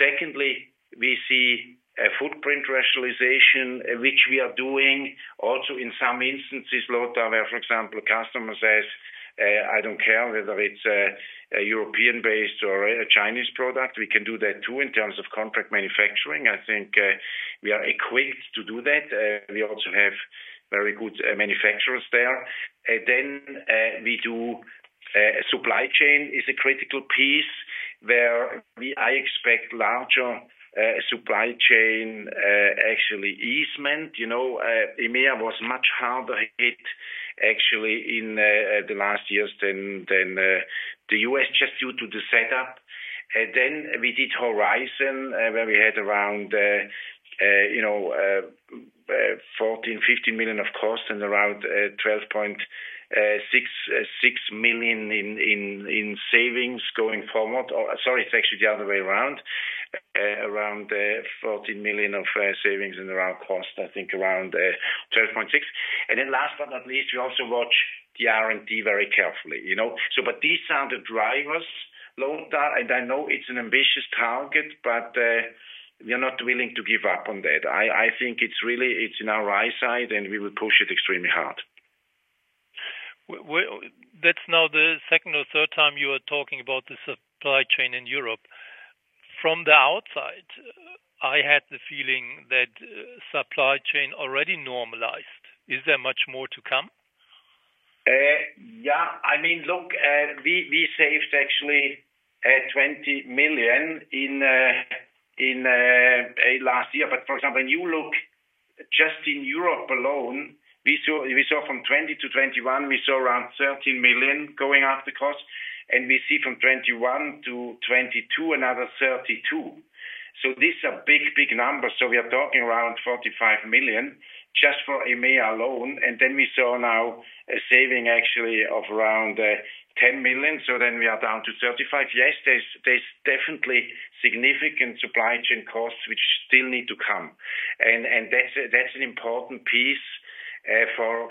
Secondly, we see a footprint rationalization, which we are doing also in some instances, Lotta, where, for example, a customer says, "I don't care whether it's a European-based or a Chinese product. We can do that too in terms of contract manufacturing." I think we are equipped to do that. We also have very good manufacturers there. Then we do supply chain is a critical piece where I expect larger supply chain actually easement. EMEA was much harder hit, actually, in the last years than the U.S. just due to the setup. Then we did Horizon, where we had around 14 million-CHF15 million of cost and around 12.6 million in savings going forward. Sorry, it's actually the other way around, around 14 million of savings and around cost, I think, around 12.6. And then last but not least, we also watch the R&D very carefully. But these are the drivers, Lotta. And I know it's an ambitious target, but we are not willing to give up on that. I think it's really it's in our eyesight, and we will push it extremely hard. That's now the second or third time you are talking about the supply chain in Europe. From the outside, I had the feeling that supply chain already normalized. Is there much more to come? Yeah. I mean, look, we saved, actually, 20 million in last year. But for example, when you look just in Europe alone, we saw from 2020 to 2021, we saw around 13 million going up the cost. And we see from 2021 to 2022, another 32 million. So these are big, big numbers. So we are talking around 45 million just for EMEA alone. And then we saw now a saving, actually, of around 10 million. So then we are down to 35 million. Yes, there's definitely significant supply chain costs, which still need to come. And that's an important piece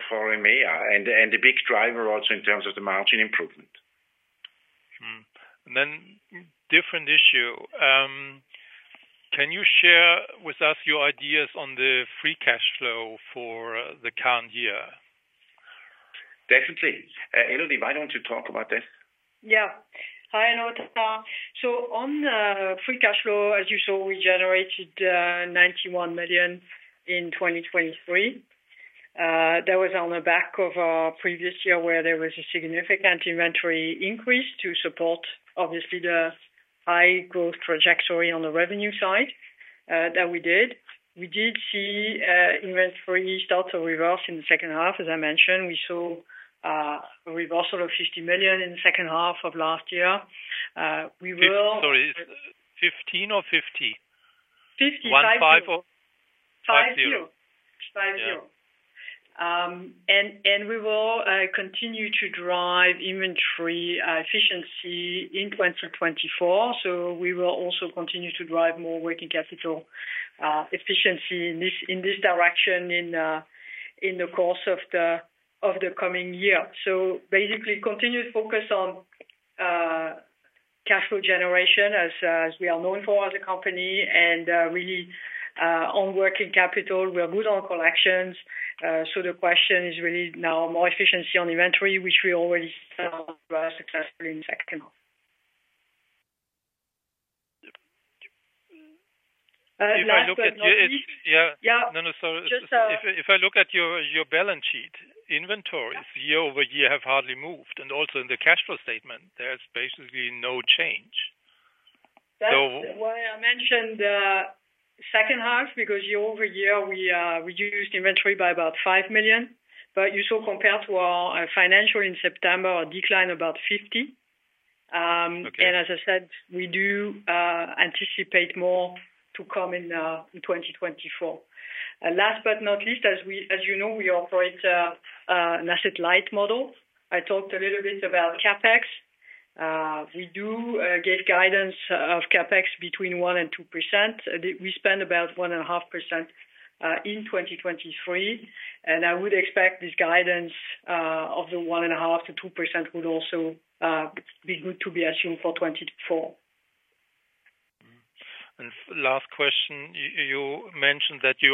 for EMEA and a big driver also in terms of the margin improvement. And then, different issue. Can you share with us your ideas on the free cash flow for the current year? Definitely. Elodie, why don't you talk about this? Yeah. Hi, Lotta. So on the free cash flow, as you saw, we generated 91 million in 2023. That was on the back of our previous year where there was a significant inventory increase to support, obviously, the high growth trajectory on the revenue side that we did. We did see inventory start to reverse in the second half. As I mentioned, we saw a reversal of 50 million in the second half of last year. We will. Sorry. 15 or 50? 50. 50. one, five, or? We will continue to drive inventory efficiency in 2024. So we will also continue to drive more working capital efficiency in this direction in the course of the coming year. So basically, continued focus on cash flow generation, as we are known for as a company, and really on working capital. We are good on collections. So the question is really now more efficiency on inventory, which we already saw successfully in the second half. If I look at your balance sheet, inventories year-over-year have hardly moved. Also in the cash flow statement, there's basically no change. That's why I mentioned the second half, because year over year, we used inventory by about 5 million. But you saw compared to our financial in September, a decline about 50 million. And as I said, we do anticipate more to come in 2024. Last but not least, as you know, we operate an asset light model. I talked a little bit about CapEx. We do give guidance of CapEx between 1%-2%. We spend about 1.5% in 2023. And I would expect this guidance of the 1.5%-2% would also be good to be assumed for 2024. Last question. You mentioned that you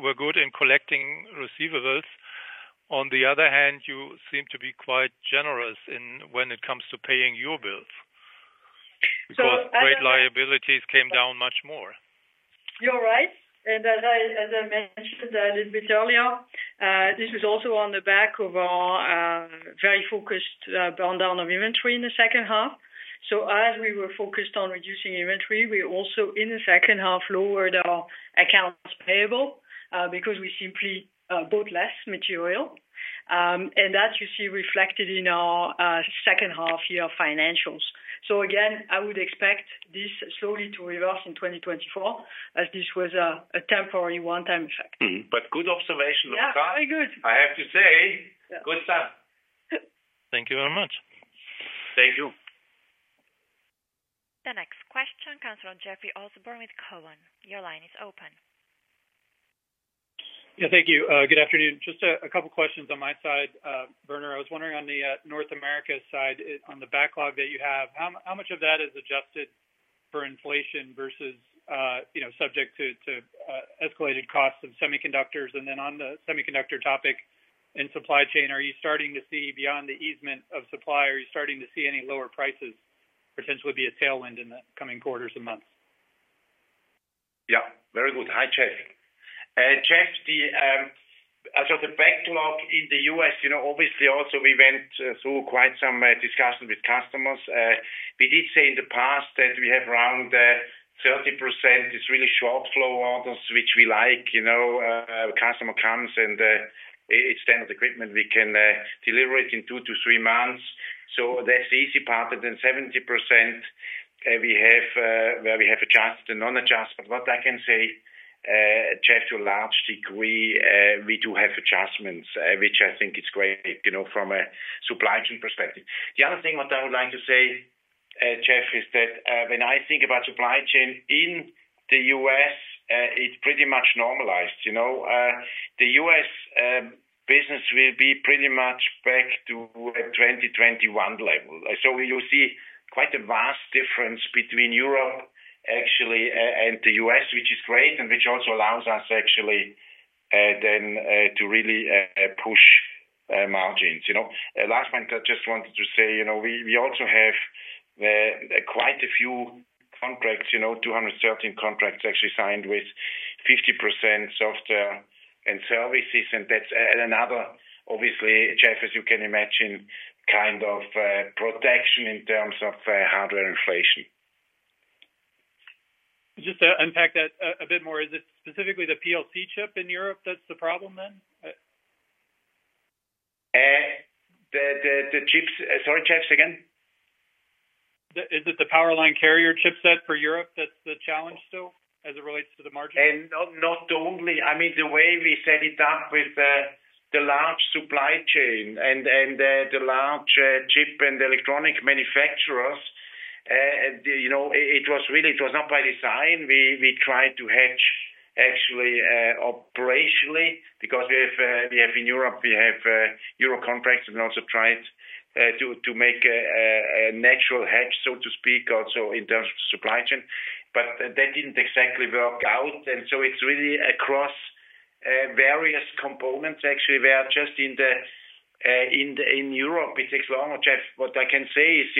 were good in collecting receivables. On the other hand, you seem to be quite generous when it comes to paying your bills because current liabilities came down much more. You're right. And as I mentioned a little bit earlier, this was also on the back of our very focused burndown of inventory in the second half. So as we were focused on reducing inventory, we also, in the second half, lowered our accounts payable because we simply bought less material. And that you see reflected in our second half year financials. So again, I would expect this slowly to reverse in 2024 as this was a temporary one-time effect. But good observation, Lotta. Yeah, very good. I have to say, good stuff. Thank you very much. Thank you. The next question comes from Jeffrey Osborne with TD Cowen. Your line is open. Yeah, thank you. Good afternoon. Just a couple of questions on my side. Werner, I was wondering on the North America side, on the backlog that you have, how much of that is adjusted for inflation versus subject to escalated costs of semiconductors? And then on the semiconductor topic and supply chain, are you starting to see beyond the easing of supply, are you starting to see any lower prices potentially be a tailwind in the coming quarters and months? Yeah, very good. Hi, Jeff. Jeff, as of the backlog in the U.S., obviously, also, we went through quite some discussion with customers. We did say in the past that we have around 30% is really short-flow orders, which we like. A customer comes, and it's standard equipment. We can deliver it in two to three months. So that's the easy part. And then 70%, where we have adjusted and non-adjusted. But what I can say, Jeff, to a large degree, we do have adjustments, which I think is great from a supply chain perspective. The other thing what I would like to say, Jeff, is that when I think about supply chain in the U.S., it's pretty much normalized. The U.S. business will be pretty much back to a 2021 level. So you'll see quite a vast difference between Europe, actually, and the U.S., which is great and which also allows us, actually, then to really push margins. Last point, I just wanted to say, we also have quite a few contracts, 213 contracts, actually signed with 50% software and services. And that's another, obviously, Jeff, as you can imagine, kind of protection in terms of hardware inflation. Just to unpack that a bit more, is it specifically the PLC chip in Europe that's the problem then? The chips? Sorry, Jeff, say again? Is it the power line carrier chipset for Europe that's the challenge still as it relates to the margin? And not only. I mean, the way we set it up with the large supply chain and the large chip and electronic manufacturers, it was not by design. We tried to hedge, actually, operationally because in Europe, we have Euro contracts and also tried to make a natural hedge, so to speak, also in terms of supply chain. But that didn't exactly work out. And so it's really across various components, actually. Where just in Europe, it takes longer. Jeff, what I can say is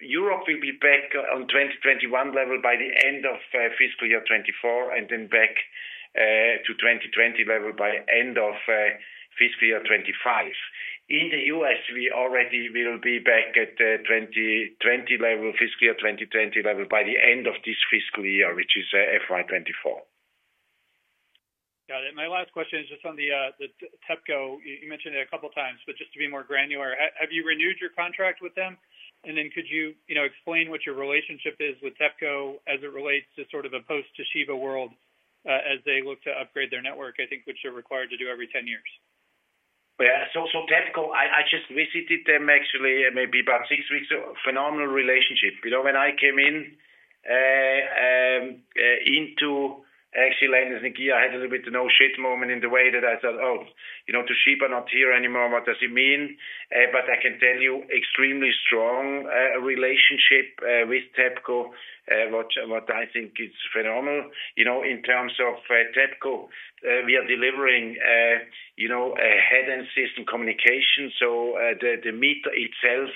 Europe will be back on 2021 level by the end of fiscal year 2024 and then back to 2020 level by end of fiscal year 2025. In the U.S., we already will be back at 2020 level, fiscal year 2020 level by the end of this fiscal year, which is FY2024. Got it. My last question is just on the TEPCO. You mentioned it a couple of times, but just to be more granular, have you renewed your contract with them? And then could you explain what your relationship is with TEPCO as it relates to sort of a post-Toshiba world as they look to upgrade their network, I think, which they're required to do every 10 years? Yeah. So TEPCO, I just visited them, actually, maybe about six weeks. Phenomenal relationship. When I came into actually Landis+Gyr, I had a little bit of no-shit moment in the way that I thought, "Oh, Toshiba not here anymore. What does it mean?" But I can tell you, extremely strong relationship with TEPCO, what I think is phenomenal. In terms of TEPCO, we are delivering a head-end-system communication. So the meter itself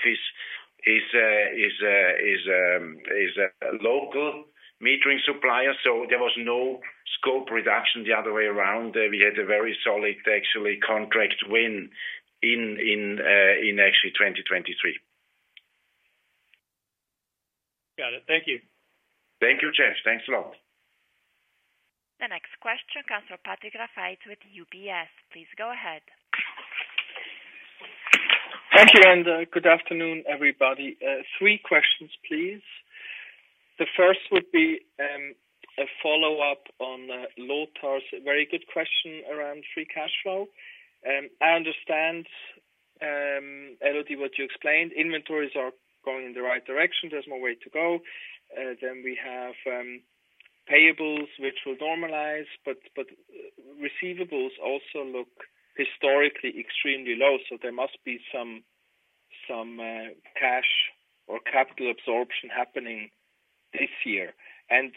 is a local metering supplier. So there was no scope reduction the other way around. We had a very solid, actually, contract win in, actually, 2023. Got it. Thank you. Thank you, Jeff. Thanks a lot. The next question comes from Patrick Rafaisz with UBS. Please go ahead. Thank you, and good afternoon, everybody. Three questions, please. The first would be a follow-up on Lotta's very good question around free cash flow. I understand, Elodie, what you explained. Inventories are going in the right direction. There's more way to go. Then we have payables, which will normalize, but receivables also look historically extremely low. So there must be some cash or capital absorption happening this year. In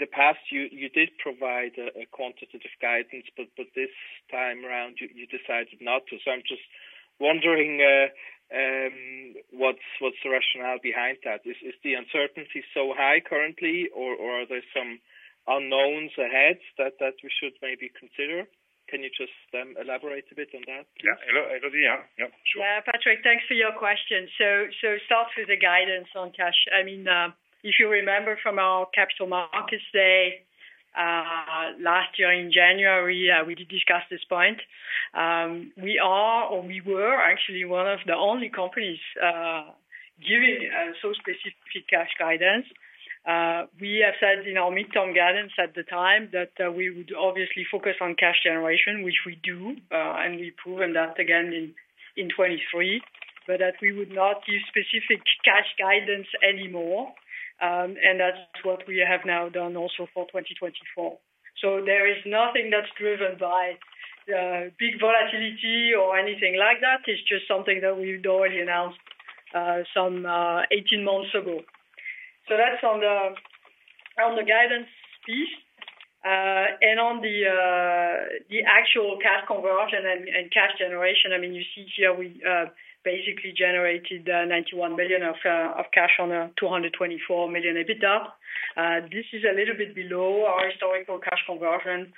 the past, you did provide quantitative guidance, but this time around, you decided not to. So I'm just wondering what's the rationale behind that. Is the uncertainty so high currently, or are there some unknowns ahead that we should maybe consider? Can you just elaborate a bit on that? Yeah. Elodie, yeah. Yeah, sure. Yeah, Patrick, thanks for your question. So start with the guidance on cash. I mean, if you remember from our Capital Markets Day last year in January, we did discuss this point. We are, or we were, actually, one of the only companies giving so specific cash guidance. We have said in our midterm guidance at the time that we would obviously focus on cash generation, which we do, and we proven that, again, in 2023, but that we would not give specific cash guidance anymore. And that's what we have now done also for 2024. So there is nothing that's driven by big volatility or anything like that. It's just something that we'd already announced some 18 months ago. So that's on the guidance piece. On the actual cash conversion and cash generation, I mean, you see here, we basically generated 91 million of cash on a 224 million EBITDA. This is a little bit below our historical cash conversion.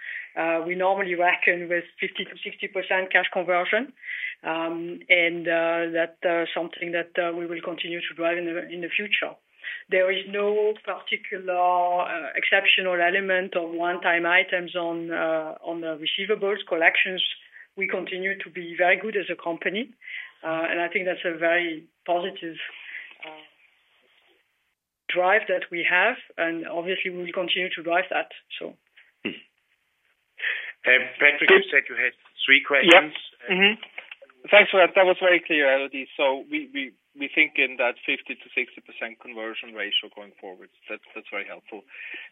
We normally reckon with 50%-60% cash conversion. And that's something that we will continue to drive in the future. There is no particular exceptional element of one-time items on the receivables collections. We continue to be very good as a company. And I think that's a very positive drive that we have. And obviously, we will continue to drive that, so. Patrick, you said you had three questions. Thanks for that. That was very clear, Elodie. So we think in that 50%-60% conversion ratio going forward. That's very helpful.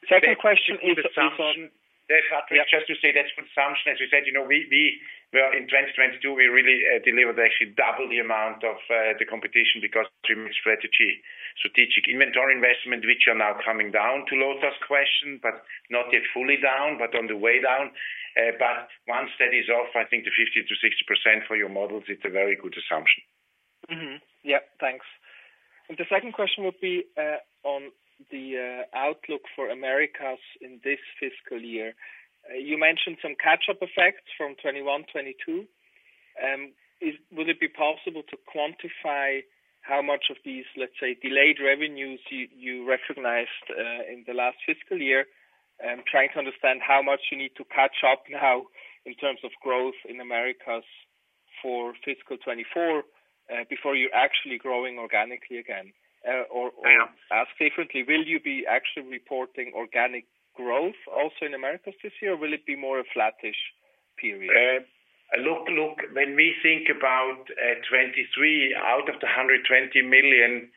Second question is on. That's consumption. Patrick, just to say, that's consumption. As you said, we were in 2022, we really delivered, actually, double the amount of the competition because of streaming strategy, strategic inventory investment, which are now coming down, to Lotta's question, but not yet fully down, but on the way down. But once that is off, I think the 50%-60% for your models, it's a very good assumption. Yeah, thanks. The second question would be on the outlook for Americas in this fiscal year. You mentioned some catch-up effects from 2021, 2022. Would it be possible to quantify how much of these, let's say, delayed revenues you recognized in the last fiscal year, trying to understand how much you need to catch up now in terms of growth in Americas for fiscal 2024 before you're actually growing organically again? Or ask differently, will you be actually reporting organic growth also in Americas this year, or will it be more a flattish period? When we think about 2023, out of the 120 million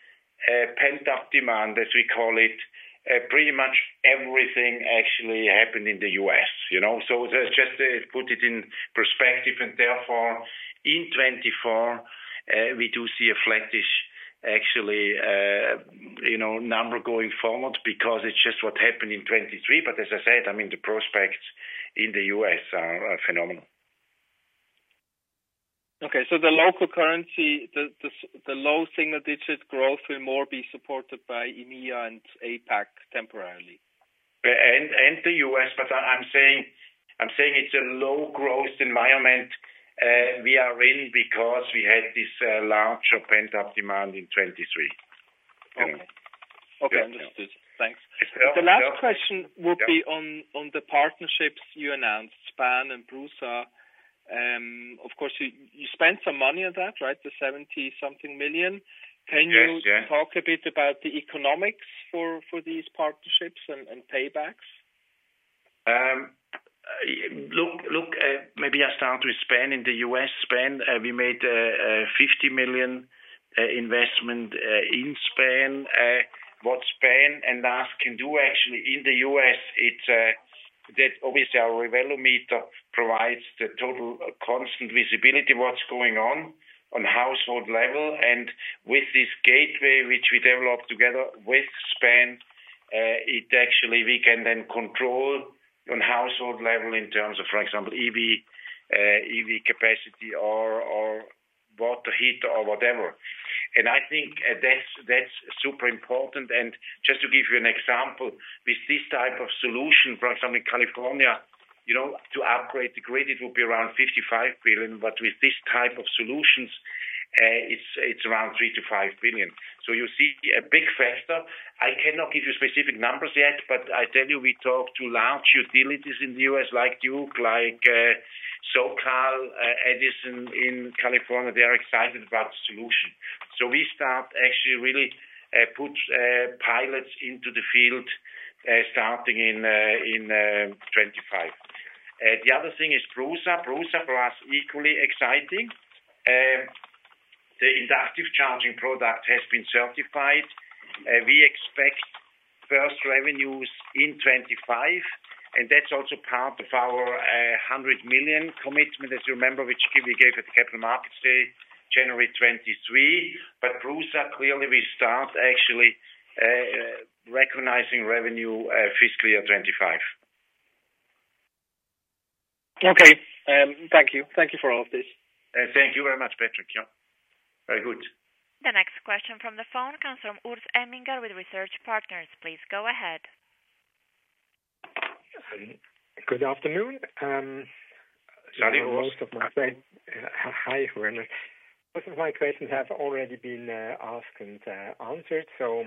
pent-up demand, as we call it, pretty much everything actually happened in the U.S. So just to put it in perspective, and therefore, in 2024, we do see a flattish, actually, number going forward because it's just what happened in 2023. But as I said, I mean, the prospects in the U.S. are phenomenal. Okay. So the local currency, the low single-digit growth will more be supported by EMEA and APAC temporarily? And the U.S. But I'm saying it's a low-growth environment we are in because we had this larger pent-up demand in 2023. Okay. Okay. Understood. Thanks. The last question would be on the partnerships you announced, SPAN and Brusa. Of course, you spent some money on that, right, the 70-something million. Can you talk a bit about the economics for these partnerships and paybacks? Look, maybe I start with SPAN. In the US, SPAN, we made a $50 million investment in SPAN. What SPAN and us can do, actually, in the U.S., it's that obviously, our Revelo meter provides the total constant visibility of what's going on on household level. And with this gateway, which we developed together with SPAN, actually, we can then control on household level in terms of, for example, EV capacity or water heater or whatever. And I think that's super important. And just to give you an example, with this type of solution, for example, in California, to upgrade the grid, it would be around $55 billion. But with this type of solutions, it's around $3 billion-$5 billion. So you see a big factor. I cannot give you specific numbers yet, but I tell you, we talk to large utilities in the U.S. like Duke, like SoCal Edison in California. They are excited about the solution. So we start, actually, really put pilots into the field starting in 2025. The other thing is Brusa. Brusa, for us, equally exciting. The inductive charging product has been certified. We expect first revenues in 2025. And that's also part of our 100 million commitment, as you remember, which we gave at Capital Markets Day, January 2023. But Brusa, clearly, we start, actually, recognizing revenue fiscal year 2025. Okay. Thank you. Thank you for all of this. Thank you very much, Patrick. Yeah. Very good. The next question from the phone comes from Urs Emminger with Research Partners. Please go ahead. Good afternoon. Sorry, Urs. Hi, Werner. Most of my questions have already been asked and answered. So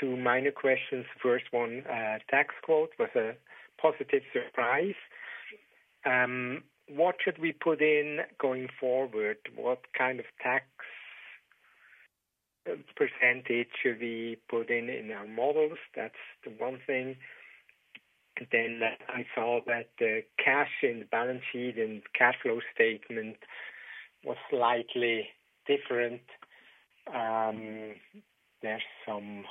two minor questions. First one, tax rate was a positive surprise. What should we put in going forward? What kind of tax percentage should we put in in our models? That's the one thing. And then I saw that the cash in the balance sheet and cash flow statement was slightly different. There's some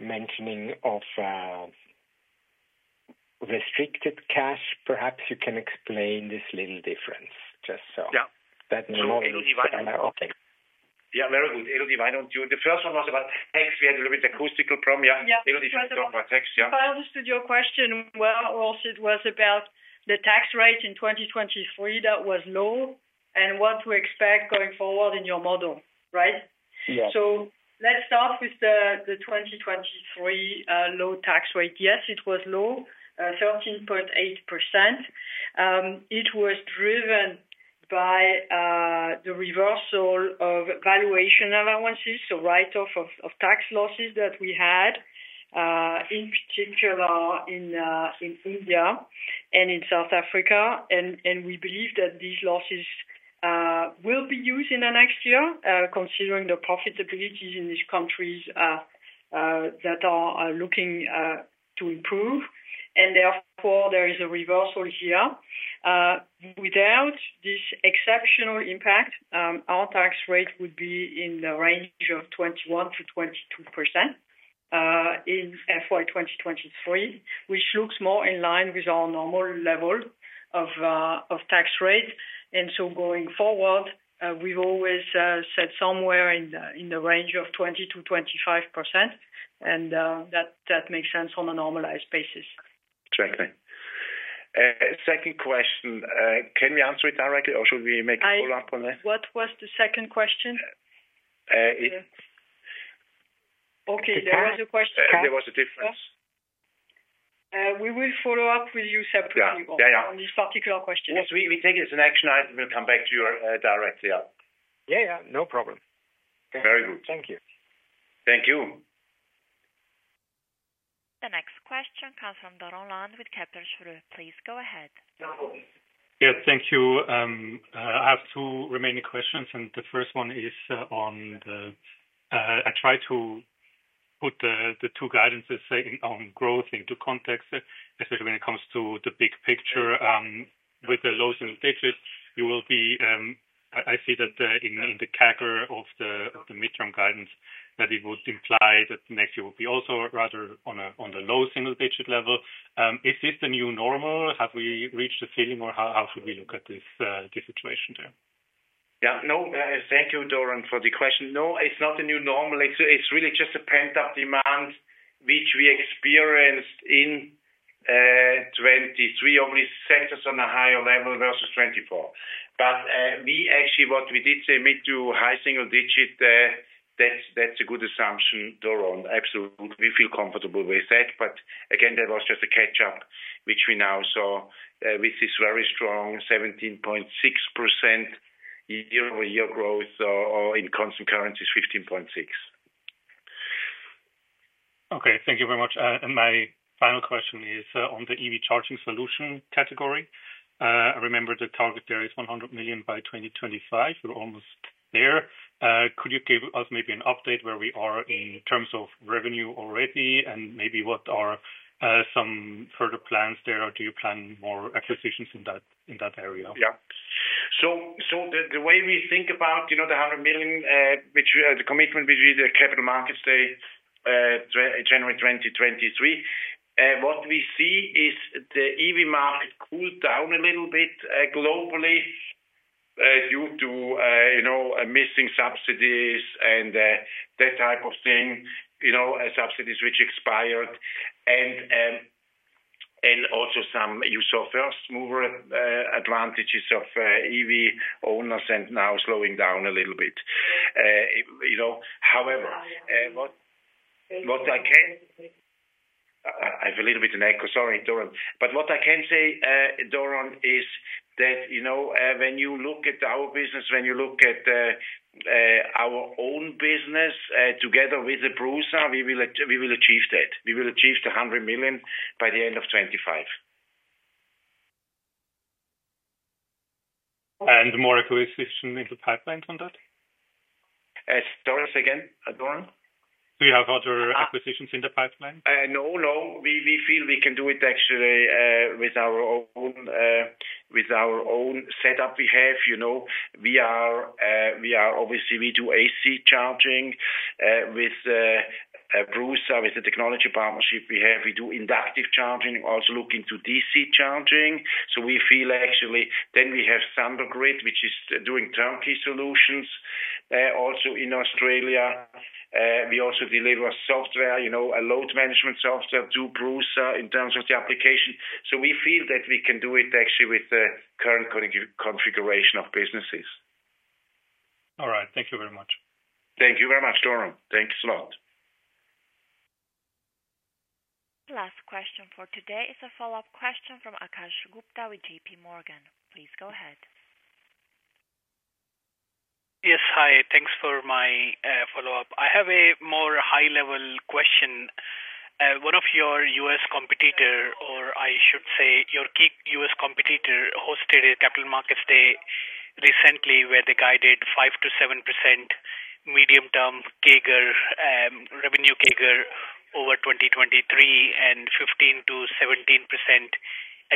mentioning of restricted cash. Perhaps you can explain this little difference, just so that in the model. Sure. Elodie, why don't you? Yeah, very good. Elodie, why don't you? The first one was about tax. We had a little bit of acoustical problem. Yeah, Elodie, if you could talk about tax. Yeah. If I understood your question well, Urs, it was about the tax rate in 2023 that was low and what to expect going forward in your model, right? Yeah. So let's start with the 2023 low tax rate. Yes, it was low, 13.8%. It was driven by the reversal of valuation allowances, so write-off of tax losses that we had, in particular, in India and in South Africa. We believe that these losses will be used in the next year, considering the profitabilities in these countries that are looking to improve. Therefore, there is a reversal here. Without this exceptional impact, our tax rate would be in the range of 21%-22% in FY2023, which looks more in line with our normal level of tax rate. Going forward, we've always sat somewhere in the range of 20%-25%. That makes sense on a normalized basis. Exactly. Second question. Can we answer it directly, or should we make a follow-up on that? What was the second question? Okay. There was a question. There was a difference. We will follow up with you separately on this particular question. Yes. We take it as an action item. We'll come back to you directly. Yeah. Yeah, yeah. No problem. Very good. Thank you. Thank you. The next question comes from Daron Land with Capital Shore. Please go ahead. Yeah. Thank you. I have two remaining questions. The first one is on the I tried to put the two guidances on growth into context, especially when it comes to the big picture. With the low single-digit, you will be I see that in the cap of the midterm guidance that it would imply that next year will be also rather on the low single-digit level. Is this the new normal? Have we reached a ceiling, or how should we look at this situation there? Yeah. No, thank you, Daron, for the question. No, it's not the new normal. It's really just a pent-up demand, which we experienced in 2023, obviously, sectors on a higher level versus 2024. But actually, what we did say mid- to high-single-digit, that's a good assumption, Daron. Absolutely. We feel comfortable with that. But again, that was just a catch-up, which we now saw with this very strong 17.6% year-over-year growth in constant currencies, 15.6. Okay. Thank you very much. My final question is on the EV charging solution category. I remember the target there is 100 million by 2025. We're almost there. Could you give us maybe an update where we are in terms of revenue already and maybe what are some further plans there, or do you plan more acquisitions in that area? Yeah. So the way we think about the 100 million, the commitment between the Capital Markets Day, January 2023, what we see is the EV market cooled down a little bit globally due to missing subsidies and that type of thing, subsidies which expired, and also some U.S. first-mover advantages of EV owners and now slowing down a little bit. However, what I can I have a little bit of an echo. Sorry, Daron. But what I can say, Daron, is that when you look at our business, when you look at our own business together with Brusa, we will achieve that. We will achieve the 100 million by the end of 2025. More acquisition in the pipeline on that? Sorry, again, Daron. Do you have other acquisitions in the pipeline? No, no. We feel we can do it, actually, with our own setup we have. We are obviously, we do AC charging with Brusa. With the technology partnership we have, we do inductive charging, also look into DC charging. So we feel, actually, then we have Thundergrid, which is doing turnkey solutions also in Australia. We also deliver software, a load management software to Brusa in terms of the application. So we feel that we can do it, actually, with the current configuration of businesses. All right. Thank you very much. Thank you very much, Daron. Thanks a lot. Last question for today is a follow-up question from Akash Gupta with JPMorgan. Please go ahead. Yes. Hi. Thanks for my follow-up. I have a more high-level question. One of your U.S. competitors, or I should say your key U.S. competitor, hosted a Capital Markets Day recently where they guided 5%-7% medium-term revenue CAGR over 2023 and 15%-17%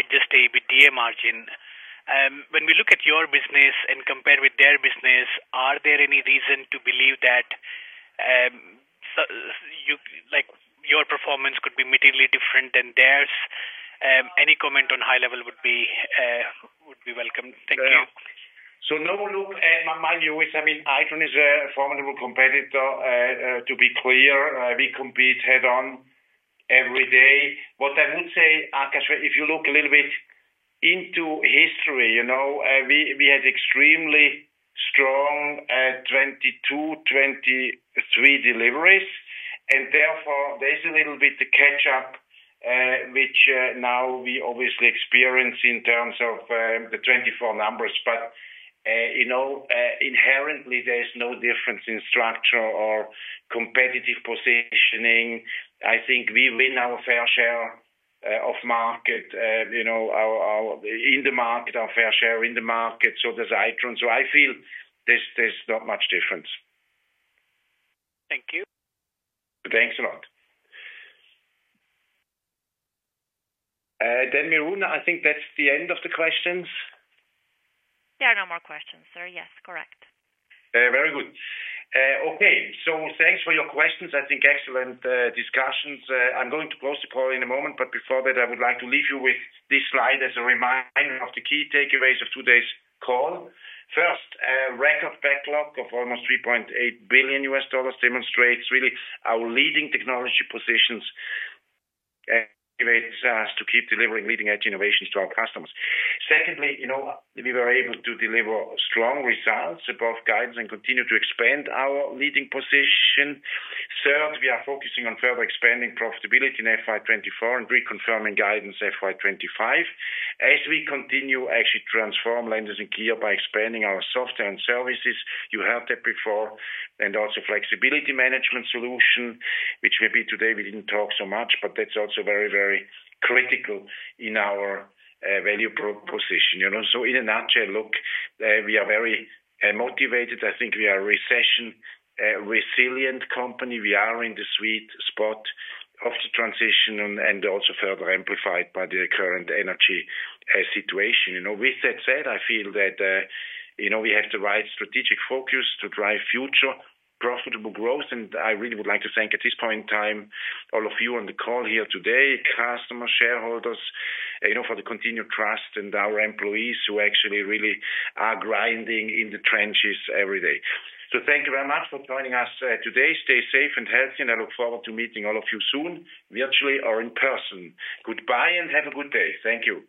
adjusted EBITDA margin. When we look at your business and compare with their business, are there any reason to believe that your performance could be materially different than theirs? Any comment on high level would be welcome. Thank you. So no, look, mind you, I mean, Itron is a formidable competitor, to be clear. We compete head-on every day. What I would say, Akash, if you look a little bit into history, we had extremely strong 2022, 2023 deliveries. And therefore, there's a little bit of catch-up, which now we obviously experience in terms of the 2024 numbers. But inherently, there's no difference in structure or competitive positioning. I think we win our fair share of market in the market, our fair share in the market, so does Itron. So I feel there's not much difference. Thank you. Thanks a lot. Then, Miruna, I think that's the end of the questions. There are no more questions, sir. Yes, correct. Very good. Okay. So thanks for your questions. I think excellent discussions. I'm going to close the call in a moment. But before that, I would like to leave you with this slide as a reminder of the key takeaways of today's call. First, record backlog of almost $3.8 billion demonstrates really our leading technology positions to keep delivering leading-edge innovations to our customers. Secondly, we were able to deliver strong results above guidance and continue to expand our leading position. Third, we are focusing on further expanding profitability in FY2024 and reconfirming guidance FY2025 as we continue, actually, to transform Landis+Gyr by expanding our software and services. You heard that before. And also flexibility management solution, which maybe today we didn't talk so much, but that's also very, very critical in our value proposition. So in a nutshell, look, we are very motivated. I think we are a recession-resilient company. We are in the sweet spot of the transition and also further amplified by the current energy situation. With that said, I feel that we have the right strategic focus to drive future profitable growth. And I really would like to thank, at this point in time, all of you on the call here today. Customers, shareholders, for the continued trust in our employees who actually really are grinding in the trenches every day. So thank you very much for joining us today. Stay safe and healthy. And I look forward to meeting all of you soon, virtually or in person. Goodbye and have a good day. Thank you.